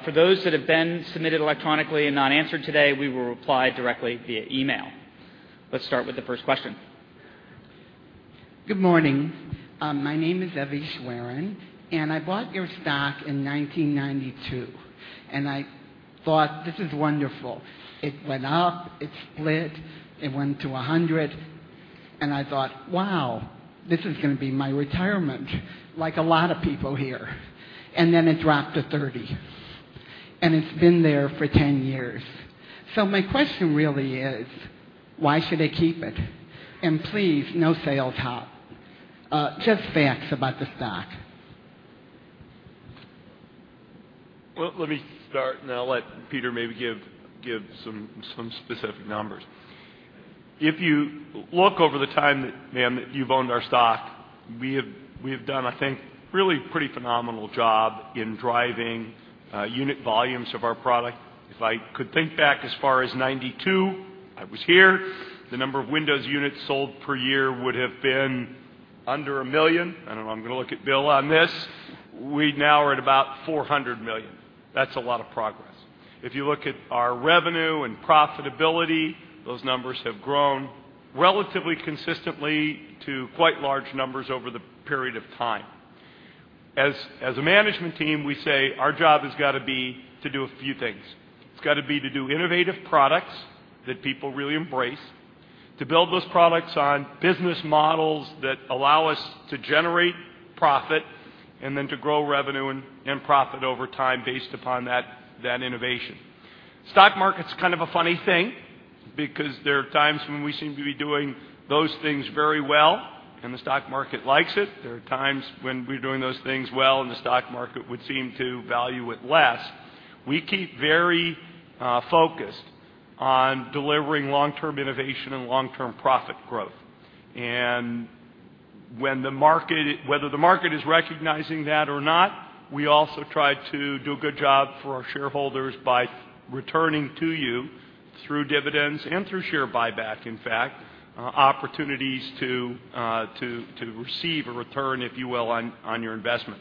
For those that have been submitted electronically and not answered today, we will reply directly via email. Let's start with the first question. Good morning. My name is Evie Schweren, I bought your stock in 1992. I thought, "This is wonderful." It went up. It split. It went to 100, and I thought, "Wow, this is going to be my retirement," like a lot of people here. It dropped to 30, and it's been there for 10 years. My question really is, why should I keep it? Please, no sales pitch. Just facts about the stock. Well, let me start, and then I'll let Peter maybe give some specific numbers. If you look over the time, ma'am, that you've owned our stock, we have done, I think, a really pretty phenomenal job in driving unit volumes of our product. If I could think back as far as 1992, I was here, the number of Windows units sold per year would have been under a million. I don't know, I'm going to look at Bill on this. We now are at about 400 million. That's a lot of progress. If you look at our revenue and profitability, those numbers have grown relatively consistently to quite large numbers over the period of time. As a management team, we say our job has got to be to do a few things. To do innovative products that people really embrace, to build those products on business models that allow us to generate profit, to grow revenue and profit over time based upon that innovation. Stock market's kind of a funny thing, because there are times when we seem to be doing those things very well, and the stock market likes it. There are times when we're doing those things well, and the stock market would seem to value it less. We keep very focused on delivering long-term innovation and long-term profit growth. Whether the market is recognizing that or not, we also try to do a good job for our shareholders by returning to you through dividends and through share buyback, in fact, opportunities to receive a return, if you will, on your investment.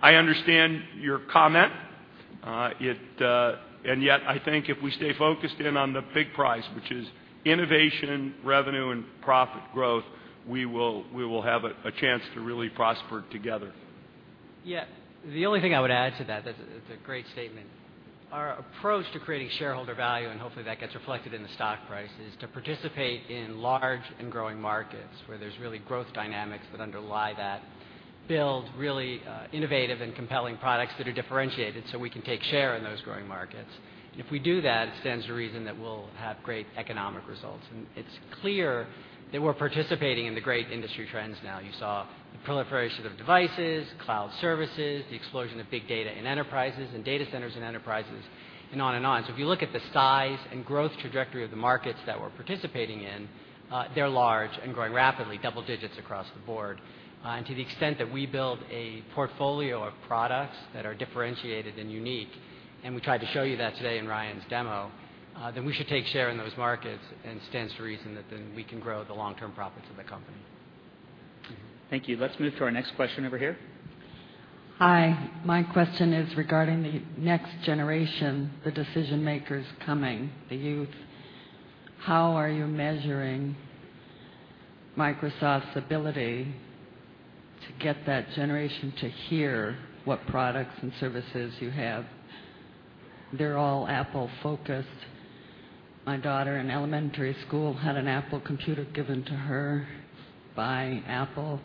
I understand your comment. Yet, I think if we stay focused in on the big prize, which is innovation, revenue, and profit growth, we will have a chance to really prosper together. Yeah. The only thing I would add to that's a great statement. Our approach to creating shareholder value, and hopefully, that gets reflected in the stock price, is to participate in large and growing markets where there's really growth dynamics that underlie that, build really innovative and compelling products that are differentiated so we can take share in those growing markets. If we do that, it stands to reason that we'll have great economic results. It's clear that we're participating in the great industry trends now. You saw the proliferation of devices, cloud services, the explosion of big data in enterprises, and data centers in enterprises, and on and on. If you look at the size and growth trajectory of the markets that we're participating in, they're large and growing rapidly, double digits across the board. To the extent that we build a portfolio of products that are differentiated and unique, and we tried to show you that today in Ryan's demo, we should take share in those markets, it stands to reason that then we can grow the long-term profits of the company. Thank you. Let's move to our next question over here. Hi. My question is regarding the next generation, the decision-makers coming, the youth. How are you measuring Microsoft's ability to get that generation to hear what products and services you have? They're all Apple focused. My daughter in elementary school had an Apple computer given to her by Apple.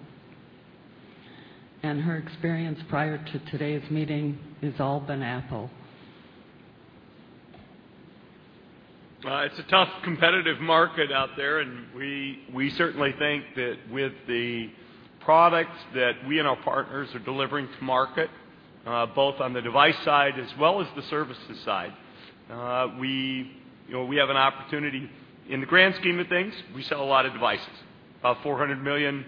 Her experience prior to today's meeting has all been Apple. It's a tough, competitive market out there. We certainly think that with the products that we and our partners are delivering to market, both on the device side as well as the services side, we have an opportunity. In the grand scheme of things, we sell a lot of devices. About 400 million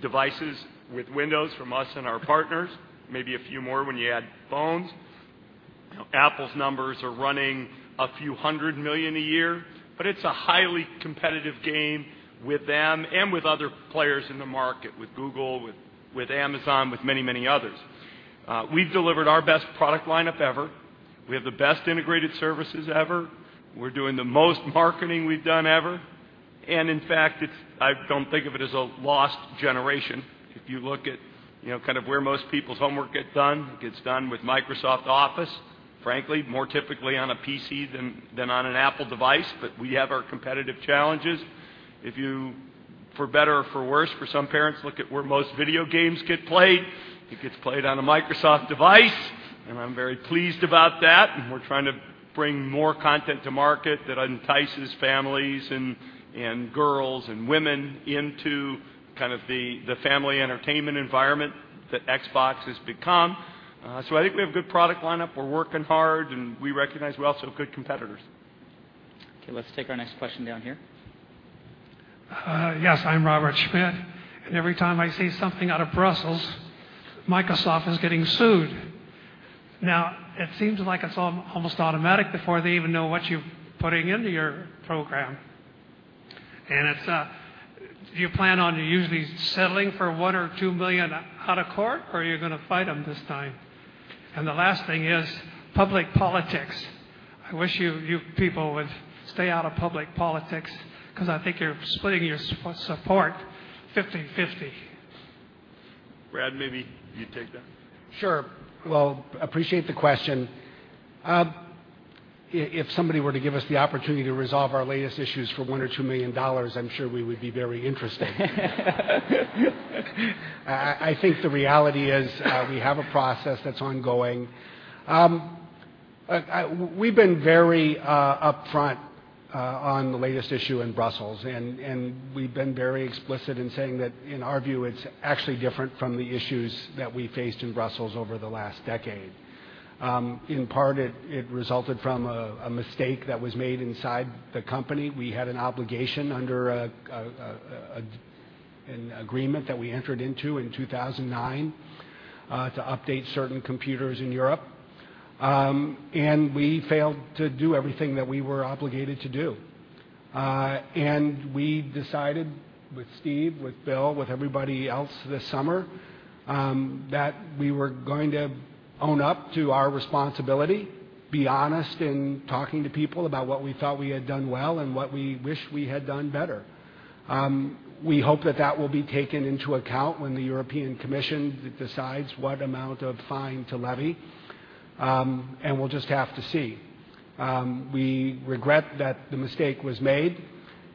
devices with Windows from us and our partners, maybe a few more when you add phones. Apple's numbers are running a few hundred million a year, but it's a highly competitive game with them and with other players in the market, with Google, with Amazon, with many others. We've delivered our best product lineup ever. We have the best integrated services ever. We're doing the most marketing we've done ever. In fact, I don't think of it as a lost generation. If you look at where most people's homework gets done, it gets done with Microsoft Office, frankly, more typically on a PC than on an Apple device. We have our competitive challenges. If you, for better or for worse, for some parents, look at where most video games get played, it gets played on a Microsoft device. I'm very pleased about that. We're trying to bring more content to market that entices families and girls and women into the family entertainment environment that Xbox has become. I think we have a good product lineup. We're working hard. We recognize we also have good competitors. Okay, let's take our next question down here. Yes, I'm Robert Schmidt. Every time I see something out of Brussels, Microsoft is getting sued. It seems like it's almost automatic before they even know what you're putting into your program. Do you plan on usually settling for $1 million or $2 million out of court, or are you going to fight them this time? The last thing is public politics. I wish you people would stay out of public politics because I think you're splitting your support 50/50. Brad, maybe you take that. Sure. Well, appreciate the question. If somebody were to give us the opportunity to resolve our latest issues for $1 million or $2 million, I'm sure we would be very interested. I think the reality is we have a process that's ongoing. We've been very upfront on the latest issue in Brussels. We've been very explicit in saying that in our view, it's actually different from the issues that we faced in Brussels over the last decade. In part, it resulted from a mistake that was made inside the company. We had an obligation under an agreement that we entered into in 2009 to update certain computers in Europe. We failed to do everything that we were obligated to do. We decided with Steve, with Bill, with everybody else this summer, that we were going to own up to our responsibility, be honest in talking to people about what we thought we had done well and what we wish we had done better. We hope that that will be taken into account when the European Commission decides what amount of fine to levy, and we'll just have to see. We regret that the mistake was made,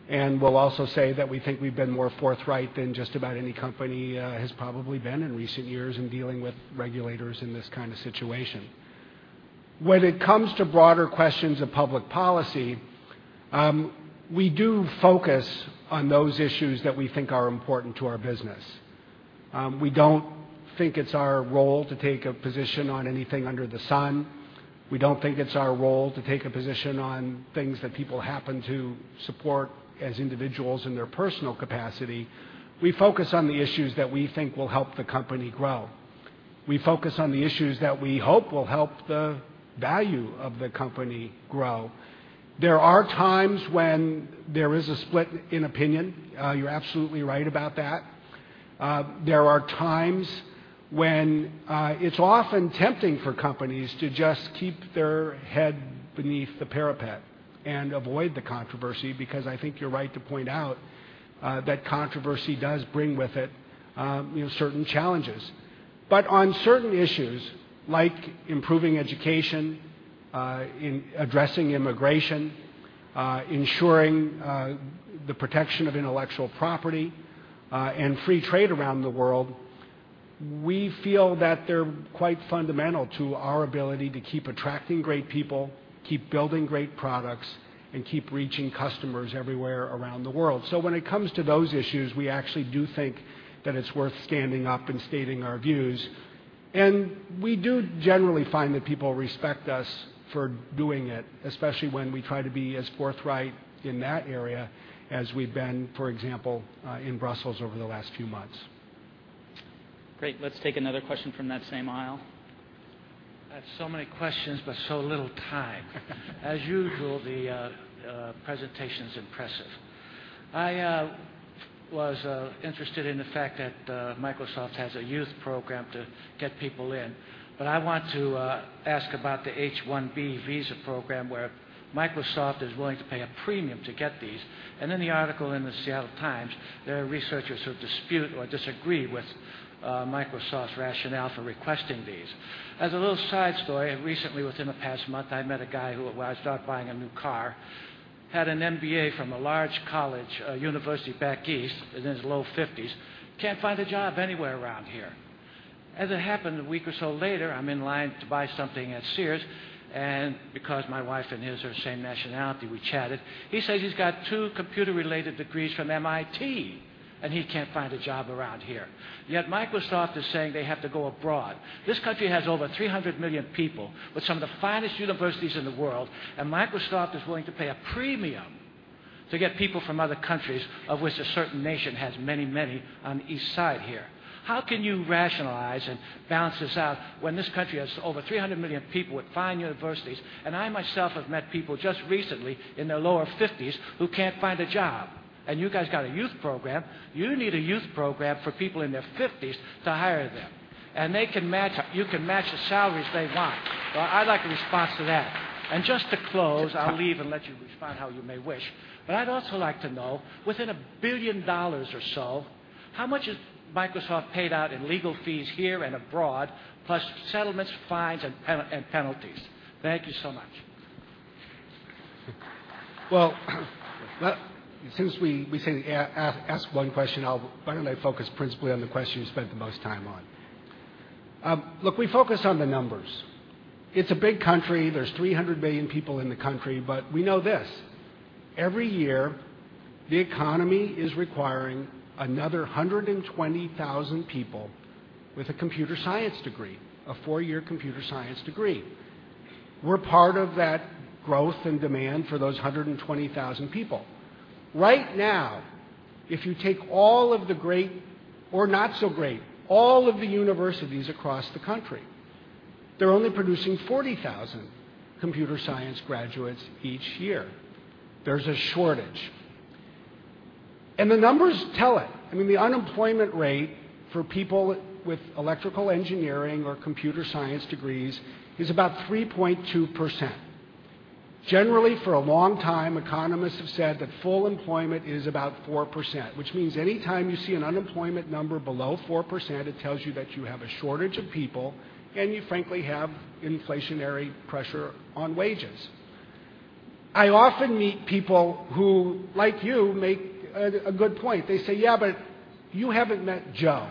and we'll also say that we think we've been more forthright than just about any company has probably been in recent years in dealing with regulators in this kind of situation. When it comes to broader questions of public policy, we do focus on those issues that we think are important to our business. We don't think it's our role to take a position on anything under the sun. We don't think it's our role to take a position on things that people happen to support as individuals in their personal capacity. We focus on the issues that we think will help the company grow. We focus on the issues that we hope will help the value of the company grow. There are times when there is a split in opinion. You're absolutely right about that. There are times when it's often tempting for companies to just keep their head beneath the parapet and avoid the controversy, because I think you're right to point out, that controversy does bring with it certain challenges. On certain issues like improving education, addressing immigration, ensuring the protection of intellectual property, and free trade around the world, we feel that they're quite fundamental to our ability to keep attracting great people, keep building great products, and keep reaching customers everywhere around the world. When it comes to those issues, we actually do think that it's worth standing up and stating our views. We do generally find that people respect us for doing it, especially when we try to be as forthright in that area as we've been, for example, in Brussels over the last few months. Great. Let's take another question from that same aisle. I have so many questions, so little time. As usual, the presentation's impressive. I was interested in the fact that Microsoft has a youth program to get people in, but I want to ask about the H-1B visa program, where Microsoft is willing to pay a premium to get these. In the article in The Seattle Times, there are researchers who dispute or disagree with Microsoft's rationale for requesting these. As a little side story, recently, within the past month, I met a guy who, while I was out buying a new car, had an MBA from a large college university back east, is in his low 50s, can't find a job anywhere around here. As it happened, a week or so later, I'm in line to buy something at Sears, and because my wife and his are same nationality, we chatted. He says he's got two computer-related degrees from MIT, he can't find a job around here. Microsoft is saying they have to go abroad. This country has over 300 million people with some of the finest universities in the world, Microsoft is willing to pay a premium to get people from other countries, of which a certain nation has many on the East Side here. How can you rationalize and balance this out when this country has over 300 million people with fine universities, and I myself have met people just recently in their lower 50s who can't find a job? You guys got a youth program. You don't need a youth program for people in their 50s to hire them. You can match the salaries they want. Well, I'd like a response to that. Just to close, I'll leave and let you respond how you may wish, I'd also like to know, within $1 billion or so, how much has Microsoft paid out in legal fees here and abroad, plus settlements, fines, and penalties? Thank you so much. Well, since we say ask one question, why don't I focus principally on the question you spent the most time on? Look, we focus on the numbers. It's a big country. There's 300 million people in the country, we know this: every year, the economy is requiring another 120,000 people with a computer science degree, a four-year computer science degree. We're part of that growth and demand for those 120,000 people. Right now, if you take all of the great or not so great, all of the universities across the country, they're only producing 40,000 computer science graduates each year. There's a shortage. The numbers tell it. I mean, the unemployment rate for people with electrical engineering or computer science degrees is about 3.2%. Generally, for a long time, economists have said that full employment is about 4%, which means anytime you see an unemployment number below 4%, it tells you that you have a shortage of people, and you frankly have inflationary pressure on wages. I often meet people who, like you, make a good point. They say, "Yeah, but you haven't met Joe."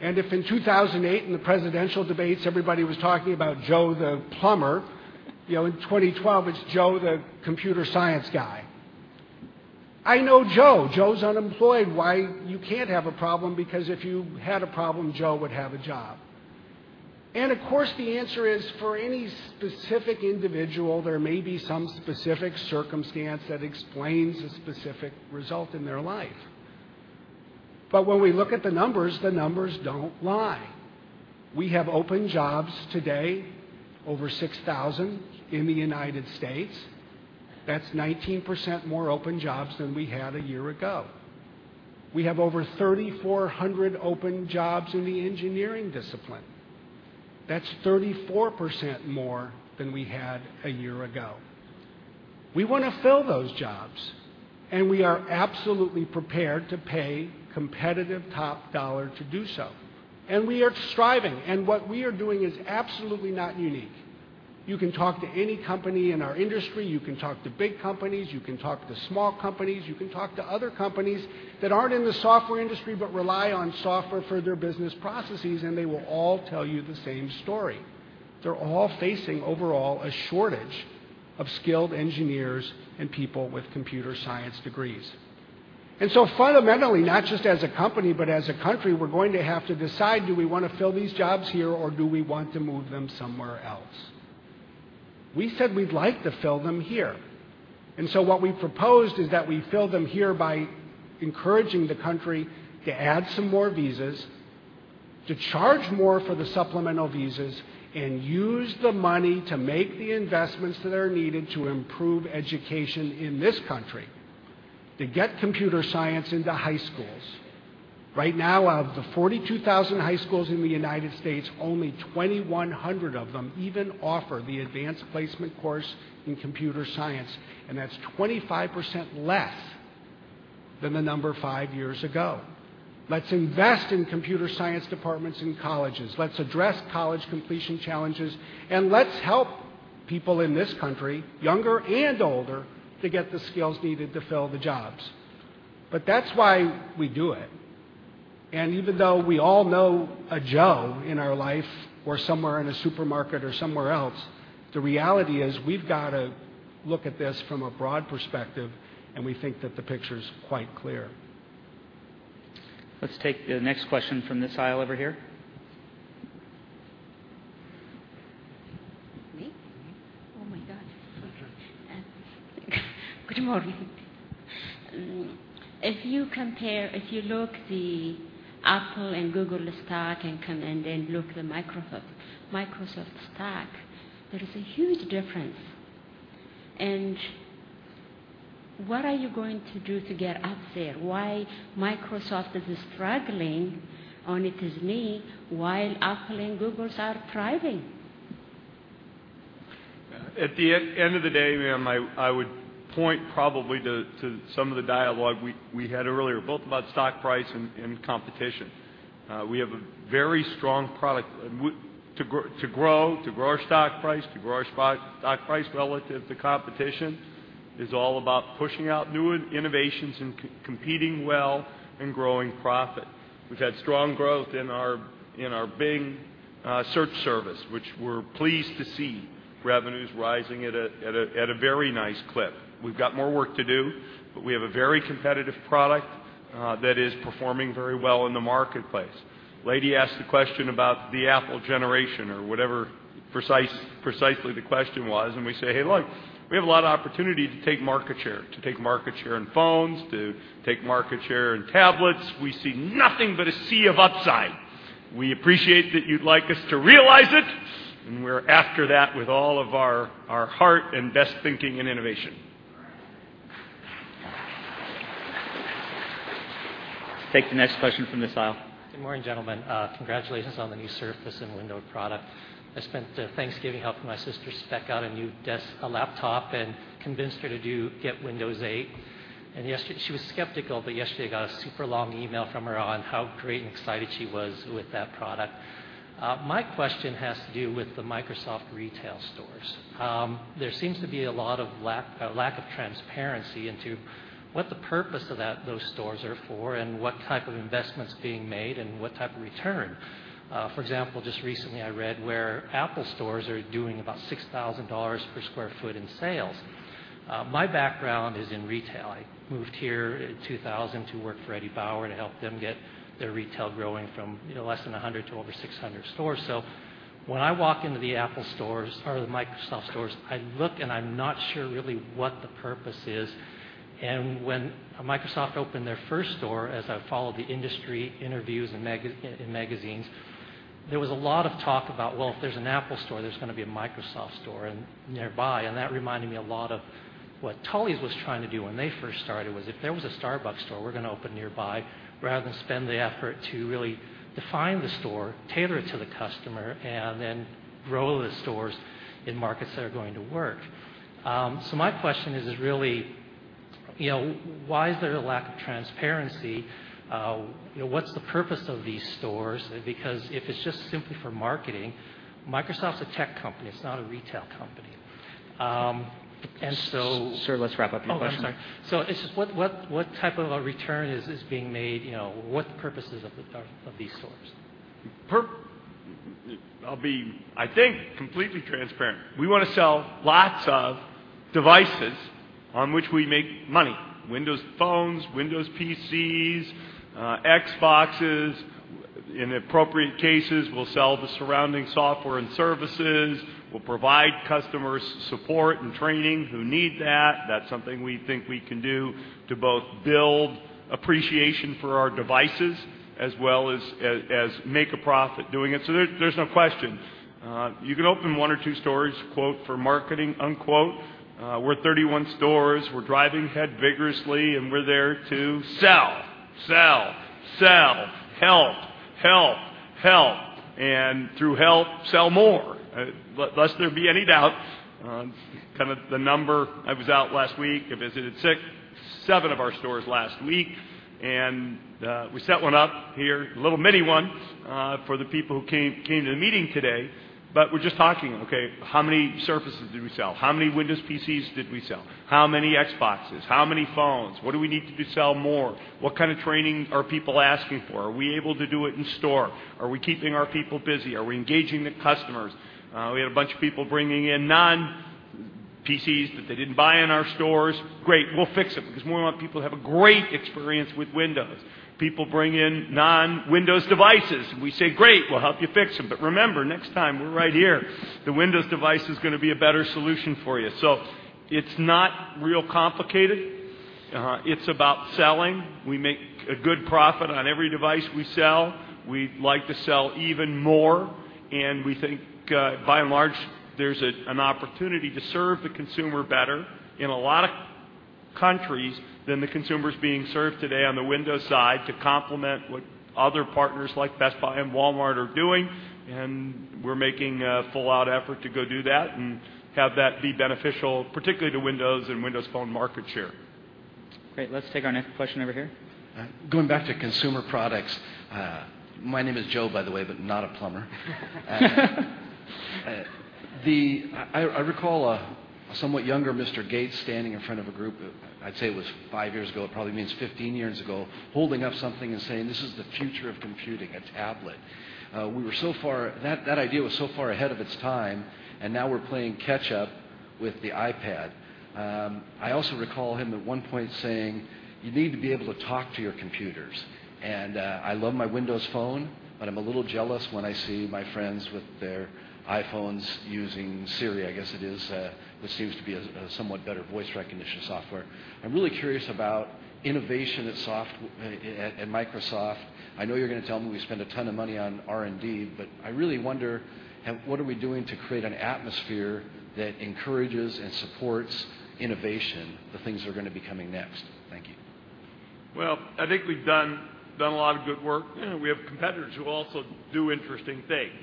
If in 2008, in the presidential debates, everybody was talking about Joe the Plumber, in 2012, it's Joe the Computer Science Guy. I know Joe. Joe's unemployed. Why you can't have a problem, because if you had a problem, Joe would have a job. Of course, the answer is, for any specific individual, there may be some specific circumstance that explains a specific result in their life. When we look at the numbers, the numbers don't lie. We have open jobs today, over 6,000 in the U.S. That's 19% more open jobs than we had a year ago. We have over 3,400 open jobs in the engineering discipline. That's 34% more than we had a year ago. We want to fill those jobs, and we are absolutely prepared to pay competitive top dollar to do so. We are striving, and what we are doing is absolutely not unique. You can talk to any company in our industry, you can talk to big companies, you can talk to small companies, you can talk to other companies that aren't in the software industry, but rely on software for their business processes, they will all tell you the same story. They're all facing, overall, a shortage of skilled engineers and people with Computer Science degrees. Fundamentally, not just as a company, but as a country, we're going to have to decide, do we want to fill these jobs here or do we want to move them somewhere else? We said we'd like to fill them here. What we proposed is that we fill them here by encouraging the country to add some more visas, to charge more for the supplemental visas, and use the money to make the investments that are needed to improve education in this country to get Computer Science into high schools. Right now, out of the 42,000 high schools in the U.S., only 2,100 of them even offer the Advanced Placement course in Computer Science, that's 25% less than the number five years ago. Let's invest in Computer Science departments in colleges, let's address college completion challenges, and let's help people in this country, younger and older, to get the skills needed to fill the jobs. That's why we do it. Even though we all know a Joe in our life or somewhere in a supermarket or somewhere else, the reality is we've got to look at this from a broad perspective, we think that the picture's quite clear. Let's take the next question from this aisle over here. Me? Oh my God. No, go ahead. Good morning. If you look the Apple and Google stock and then look the Microsoft stock, there is a huge difference. What are you going to do to get up there? Why Microsoft is struggling on its knee while Apple and Google are thriving? At the end of the day, ma'am, I would point probably to some of the dialogue we had earlier, both about stock price and competition. We have a very strong product. To grow our stock price, to grow our stock price relative to competition, is all about pushing out new innovations and competing well and growing profit. We've had strong growth in our Bing search service, which we're pleased to see revenues rising at a very nice clip. We've got more work to do, but we have a very competitive product that is performing very well in the marketplace. Lady asked the question about the Apple generation or whatever precisely the question was. We say, hey, look, we have a lot of opportunity to take market share. To take market share in phones, to take market share in tablets. We see nothing but a sea of upside. We appreciate that you'd like us to realize it, and we're after that with all of our heart and best thinking and innovation. Take the next question from this aisle. Good morning, gentlemen. Congratulations on the new Surface and Windows product. I spent Thanksgiving helping my sister spec out a new laptop and convinced her to get Windows 8. She was skeptical. Yesterday I got a super long email from her on how great and excited she was with that product. My question has to do with the Microsoft retail stores. There seems to be a lack of transparency into what the purpose of those stores are for, and what type of investment's being made and what type of return. For example, just recently I read where Apple stores are doing about $6,000 per square foot in sales. My background is in retail. I moved here in 2000 to work for Eddie Bauer to help them get their retail growing from less than 100 to over 600 stores. When I walk into the Microsoft stores, I look and I'm not sure really what the purpose is. When Microsoft opened their first store, as I followed the industry interviews in magazines, there was a lot of talk about, well, if there's an Apple store, there's gonna be a Microsoft store nearby. That reminded me a lot of what Tully's was trying to do when they first started, was if there was a Starbucks store, we're gonna open nearby, rather than spend the effort to really define the store, tailor it to the customer, and then grow the stores in markets that are going to work. My question is really, why is there a lack of transparency? What's the purpose of these stores? Because if it's just simply for marketing, Microsoft's a tech company, it's not a retail company. Sir, let's wrap up your question. Oh, yeah, I'm sorry. It's just what type of a return is being made? What purposes of these stores? I'll be, I think, completely transparent. We want to sell lots of devices on which we make money. Windows phones, Windows PCs, Xboxes. In appropriate cases, we'll sell the surrounding software and services. We'll provide customers support and training who need that. That's something we think we can do to both build appreciation for our devices as well as make a profit doing it. There's no question. You can open one or two stores, quote, for marketing, unquote. We're 31 stores. We're driving ahead vigorously, and we're there to sell, sell, help, help, and through help, sell more. Lest there be any doubt, kind of the number, I was out last week, I visited six, seven of our stores last week, and we set one up here, a little mini one, for the people who came to the meeting today. We're just talking, okay, how many Surfaces did we sell? How many Windows PCs did we sell? How many Xboxes? How many phones? What do we need to do to sell more? What kind of training are people asking for? Are we able to do it in store? Are we keeping our people busy? Are we engaging the customers? We had a bunch of people bringing in non-PCs that they didn't buy in our stores. Great. We'll fix them because we want people to have a great experience with Windows. People bring in non-Windows devices, and we say, "Great, we'll help you fix them. Remember, next time, we're right here. The Windows device is going to be a better solution for you." It's not real complicated. It's about selling. We make a good profit on every device we sell. We'd like to sell even more, we think, by and large, there's an opportunity to serve the consumer better in a lot of countries than the consumer's being served today on the Windows side to complement what other partners like Best Buy and Walmart are doing. We're making a full-out effort to go do that and have that be beneficial, particularly to Windows and Windows Phone market share. Great. Let's take our next question over here. Going back to consumer products. My name is Joe, by the way, but not a plumber. I recall a somewhat younger Mr. Gates standing in front of a group, I'd say it was five years ago, it probably means 15 years ago, holding up something and saying, "This is the future of computing, a tablet." That idea was so far ahead of its time, and now we're playing catch up with the iPad. I also recall him at one point saying, "You need to be able to talk to your computers." I love my Windows Phone, but I'm a little jealous when I see my friends with their iPhones using Siri, I guess it is, which seems to be a somewhat better voice recognition software. I'm really curious about innovation at Microsoft. I know you're going to tell me we spend a ton of money on R&D, I really wonder what are we doing to create an atmosphere that encourages and supports innovation, the things that are going to be coming next. Thank you. Well, I think we've done a lot of good work. We have competitors who also do interesting things.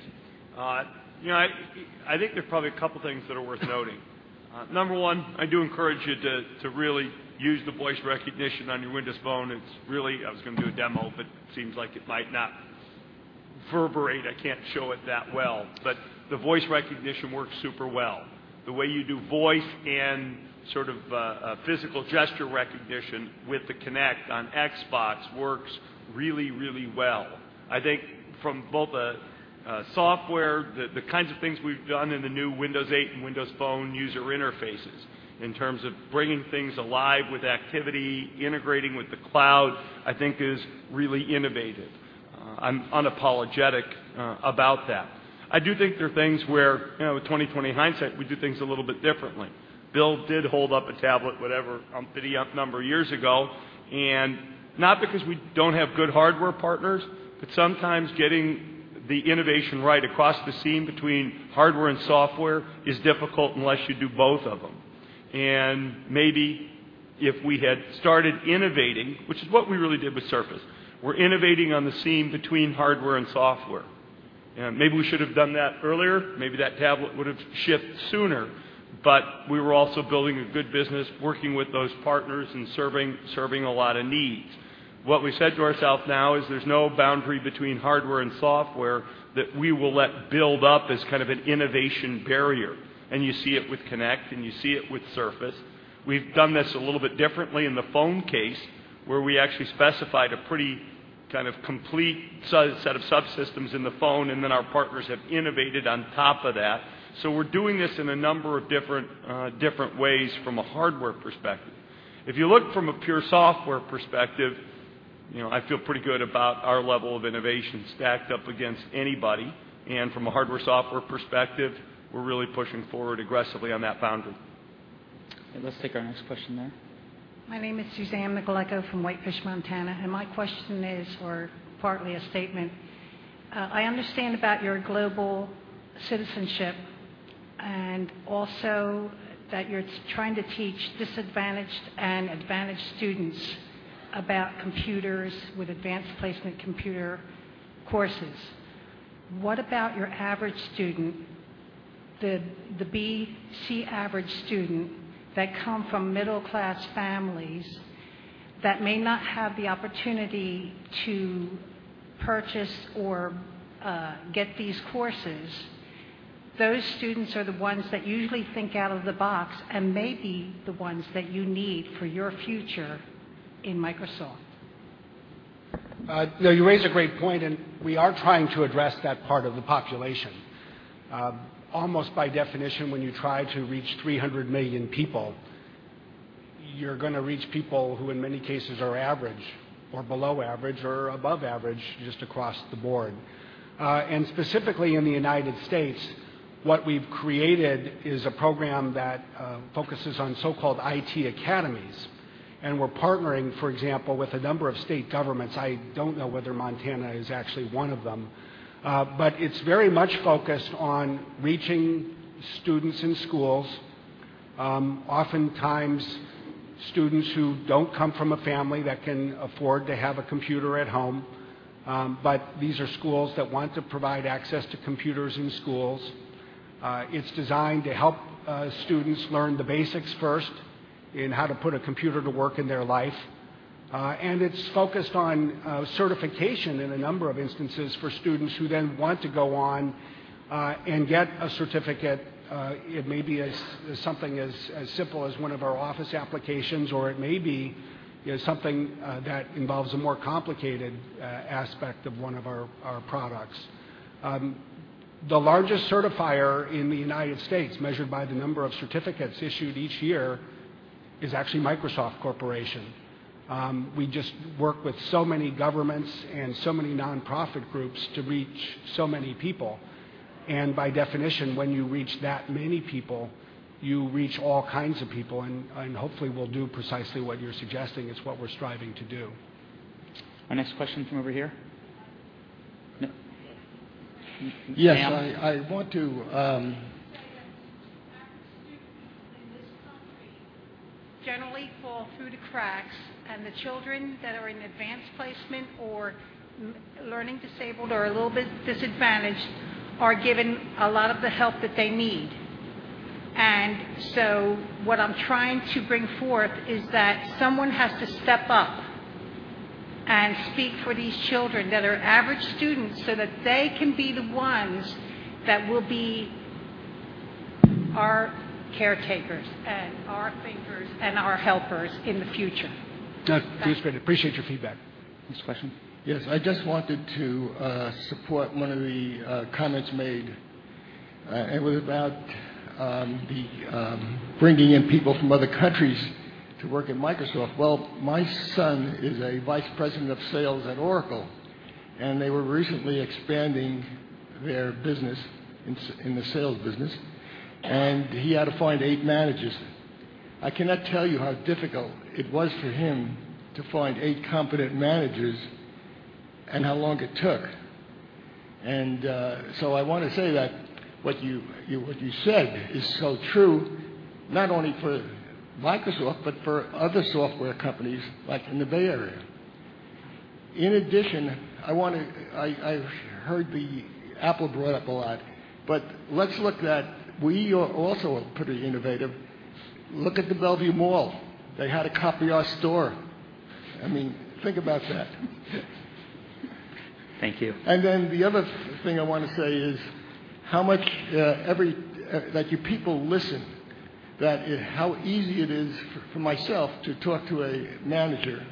I think there are probably a couple things that are worth noting. Number one, I do encourage you to really use the voice recognition on your Windows Phone. I was going to do a demo, it seems like it might not reverberate. I can't show it that well. The voice recognition works super well. The way you do voice and sort of physical gesture recognition with the Kinect on Xbox works really, really well. I think from both the software, the kinds of things we've done in the new Windows 8 and Windows Phone user interfaces in terms of bringing things alive with activity, integrating with the cloud, I think is really innovative. I'm unapologetic about that. I do think there are things where, with 20/20 hindsight, we'd do things a little bit differently. Bill did hold up a tablet, whatever, umpity ump number of years ago, not because we don't have good hardware partners, sometimes getting the innovation right across the seam between hardware and software is difficult unless you do both of them. Maybe if we had started innovating, which is what we really did with Surface. We're innovating on the seam between hardware and software. Maybe we should have done that earlier. Maybe that tablet would've shipped sooner. We were also building a good business, working with those partners and serving a lot of needs. What we said to ourselves now is there's no boundary between hardware and software that we will let build up as kind of an innovation barrier. You see it with Kinect, and you see it with Surface. We've done this a little bit differently in the phone case, where we actually specified a pretty complete set of subsystems in the phone, then our partners have innovated on top of that. We're doing this in a number of different ways from a hardware perspective. If you look from a pure software perspective, I feel pretty good about our level of innovation stacked up against anybody. From a hardware-software perspective, we're really pushing forward aggressively on that boundary. Let's take our next question there. My name is Suzanne Nicolako from Whitefish, Montana, and my question is, or partly a statement. I understand about your global citizenship and also that you're trying to teach disadvantaged and advantaged students about computers with advanced placement computer courses. What about your average student, the B, C average student that come from middle-class families that may not have the opportunity to purchase or get these courses? Those students are the ones that usually think out of the box and may be the ones that you need for your future in Microsoft. You raise a great point, we are trying to address that part of the population. Almost by definition, when you try to reach 300 million people, you're going to reach people who, in many cases, are average or below average or above average just across the board. Specifically in the U.S., what we've created is a program that focuses on so-called IT academies. We're partnering, for example, with a number of state governments. I don't know whether Montana is actually one of them. It's very much focused on reaching students in schools, oftentimes students who don't come from a family that can afford to have a computer at home. These are schools that want to provide access to computers in schools. It's designed to help students learn the basics first in how to put a computer to work in their life. It's focused on certification in a number of instances for students who then want to go on and get a certificate. It may be something as simple as one of our Office applications, or it may be something that involves a more complicated aspect of one of our products. The largest certifier in the U.S., measured by the number of certificates issued each year, is actually Microsoft Corporation. We just work with so many governments and so many nonprofit groups to reach so many people. By definition, when you reach that many people, you reach all kinds of people, and hopefully we'll do precisely what you're suggesting. It's what we're striving to do. Our next question from over here. Ma'am? Yes, I want to. Say that average students in this country generally fall through the cracks, and the children that are in advanced placement or learning disabled or a little bit disadvantaged are given a lot of the help that they need. What I'm trying to bring forth is that someone has to step up and speak for these children that are average students so that they can be the ones that will be our caretakers and our thinkers and our helpers in the future. Thanks for that. Appreciate your feedback. Next question. Yes, I just wanted to support one of the comments made. It was about bringing in people from other countries to work at Microsoft. Well, my son is a vice president of sales at Oracle, and they were recently expanding their business in the sales business, and he had to find eight managers. I cannot tell you how difficult it was for him to find eight competent managers and how long it took. I want to say that what you said is so true, not only for Microsoft but for other software companies, like in the Bay Area. In addition, I've heard Apple brought up a lot, but let's look that we also are pretty innovative. Look at the Bellevue Square. They had to copy our store. Think about that. Thank you. The other thing I want to say is how much you people listen, that how easy it is for myself to talk to a manager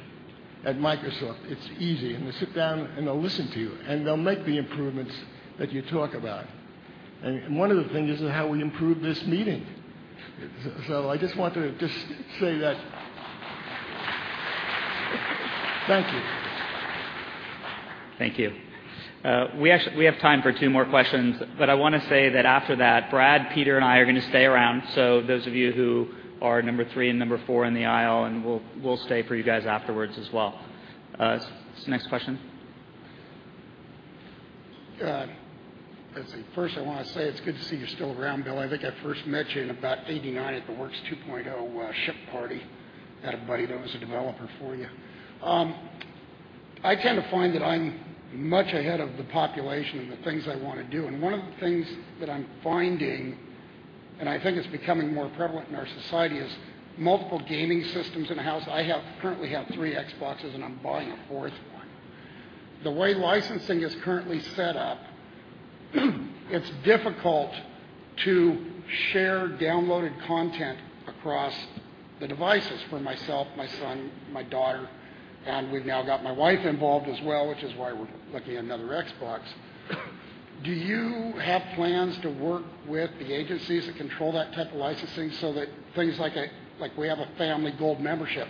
at Microsoft. It's easy, and they'll sit down, and they'll listen to you, and they'll make the improvements that you talk about. One of the things is how we improve this meeting. I just want to just say that. Thank you. Thank you. We have time for two more questions. I want to say that after that, Brad, Peter, and I are going to stay around, so those of you who are number 3 and number 4 in the aisle, we'll stay for you guys afterwards as well. Next question. Let's see. First, I want to say it's good to see you're still around, Bill. I think I first met you in about 1989 at the Works 2.0 ship party. Had a buddy that was a developer for you. I tend to find that I'm much ahead of the population in the things I want to do. One of the things that I'm finding, I think it's becoming more prevalent in our society, is multiple gaming systems in the house. I currently have three Xboxes. I'm buying a fourth one. The way licensing is currently set up, it's difficult to share downloaded content across the devices for myself, my son, my daughter. We've now got my wife involved as well, which is why we're looking at another Xbox. Do you have plans to work with the agencies that control that type of licensing so that things like we have a family Xbox Live Gold membership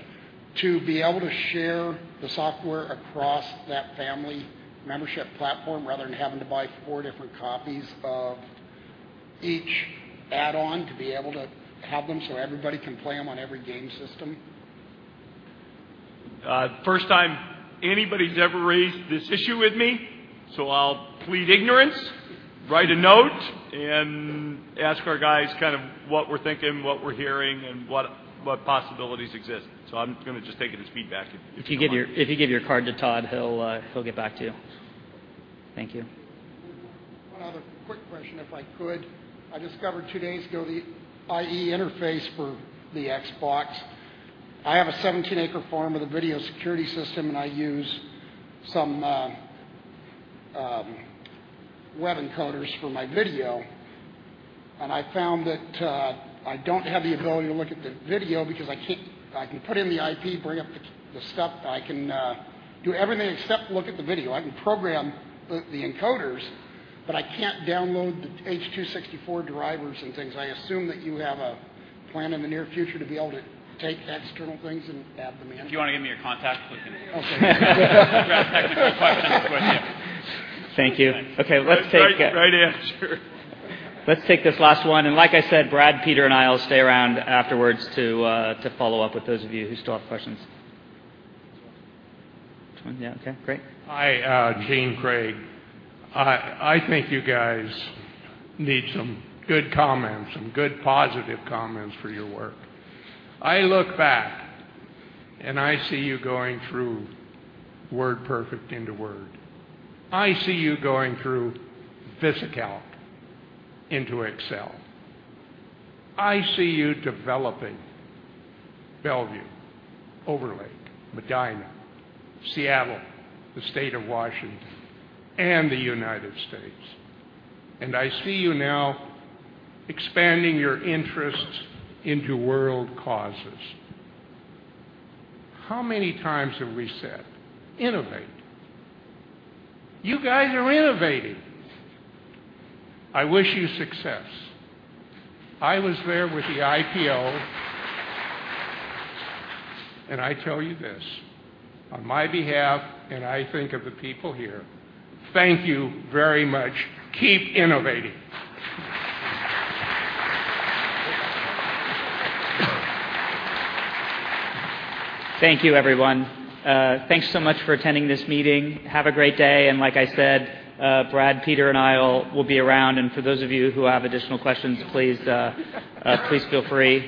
to be able to share the software across that family membership platform rather than having to buy four different copies of each add-on to be able to have them so everybody can play them on every game system? First time anybody's ever raised this issue with me. I'll plead ignorance, write a note, ask our guys kind of what we're thinking, what we're hearing, what possibilities exist. I'm going to just take it as feedback if you want. If you give your card to Todd, he'll get back to you. Thank you. One other quick question, if I could. I discovered two days ago the IE interface for the Xbox. I have a 17-acre farm with a video security system, and I use some web encoders for my video. I found that I don't have the ability to look at the video because I can put in the IP, bring up the stuff. I can do everything except look at the video. I can program the encoders, but I can't download the H264 drivers and things. I assume that you have a plan in the near future to be able to take external things and add them in. If you want to give me your contact, we can Okay. Address that technical question for you. Thank you. Okay, that's the right answer. Let's take this last one. Like I said, Brad, Peter, and I will stay around afterwards to follow up with those of you who still have questions. Which one? Yeah, okay, great. Hi, Gene Craig. I think you guys need some good comments, some good positive comments for your work. I look back and I see you going through WordPerfect into Word. I see you going through VisiCalc into Excel. I see you developing Bellevue, Overlake, Medina, Seattle, the state of Washington, and the United States. I see you now expanding your interests into world causes. How many times have we said innovate? You guys are innovating. I wish you success. I was there with the IPO. I tell you this on my behalf, and I think of the people here, thank you very much. Keep innovating. Thank you, everyone. Thanks so much for attending this meeting. Have a great day, and like I said, Brad, Peter, and I will be around, and for those of you who have additional questions, please feel free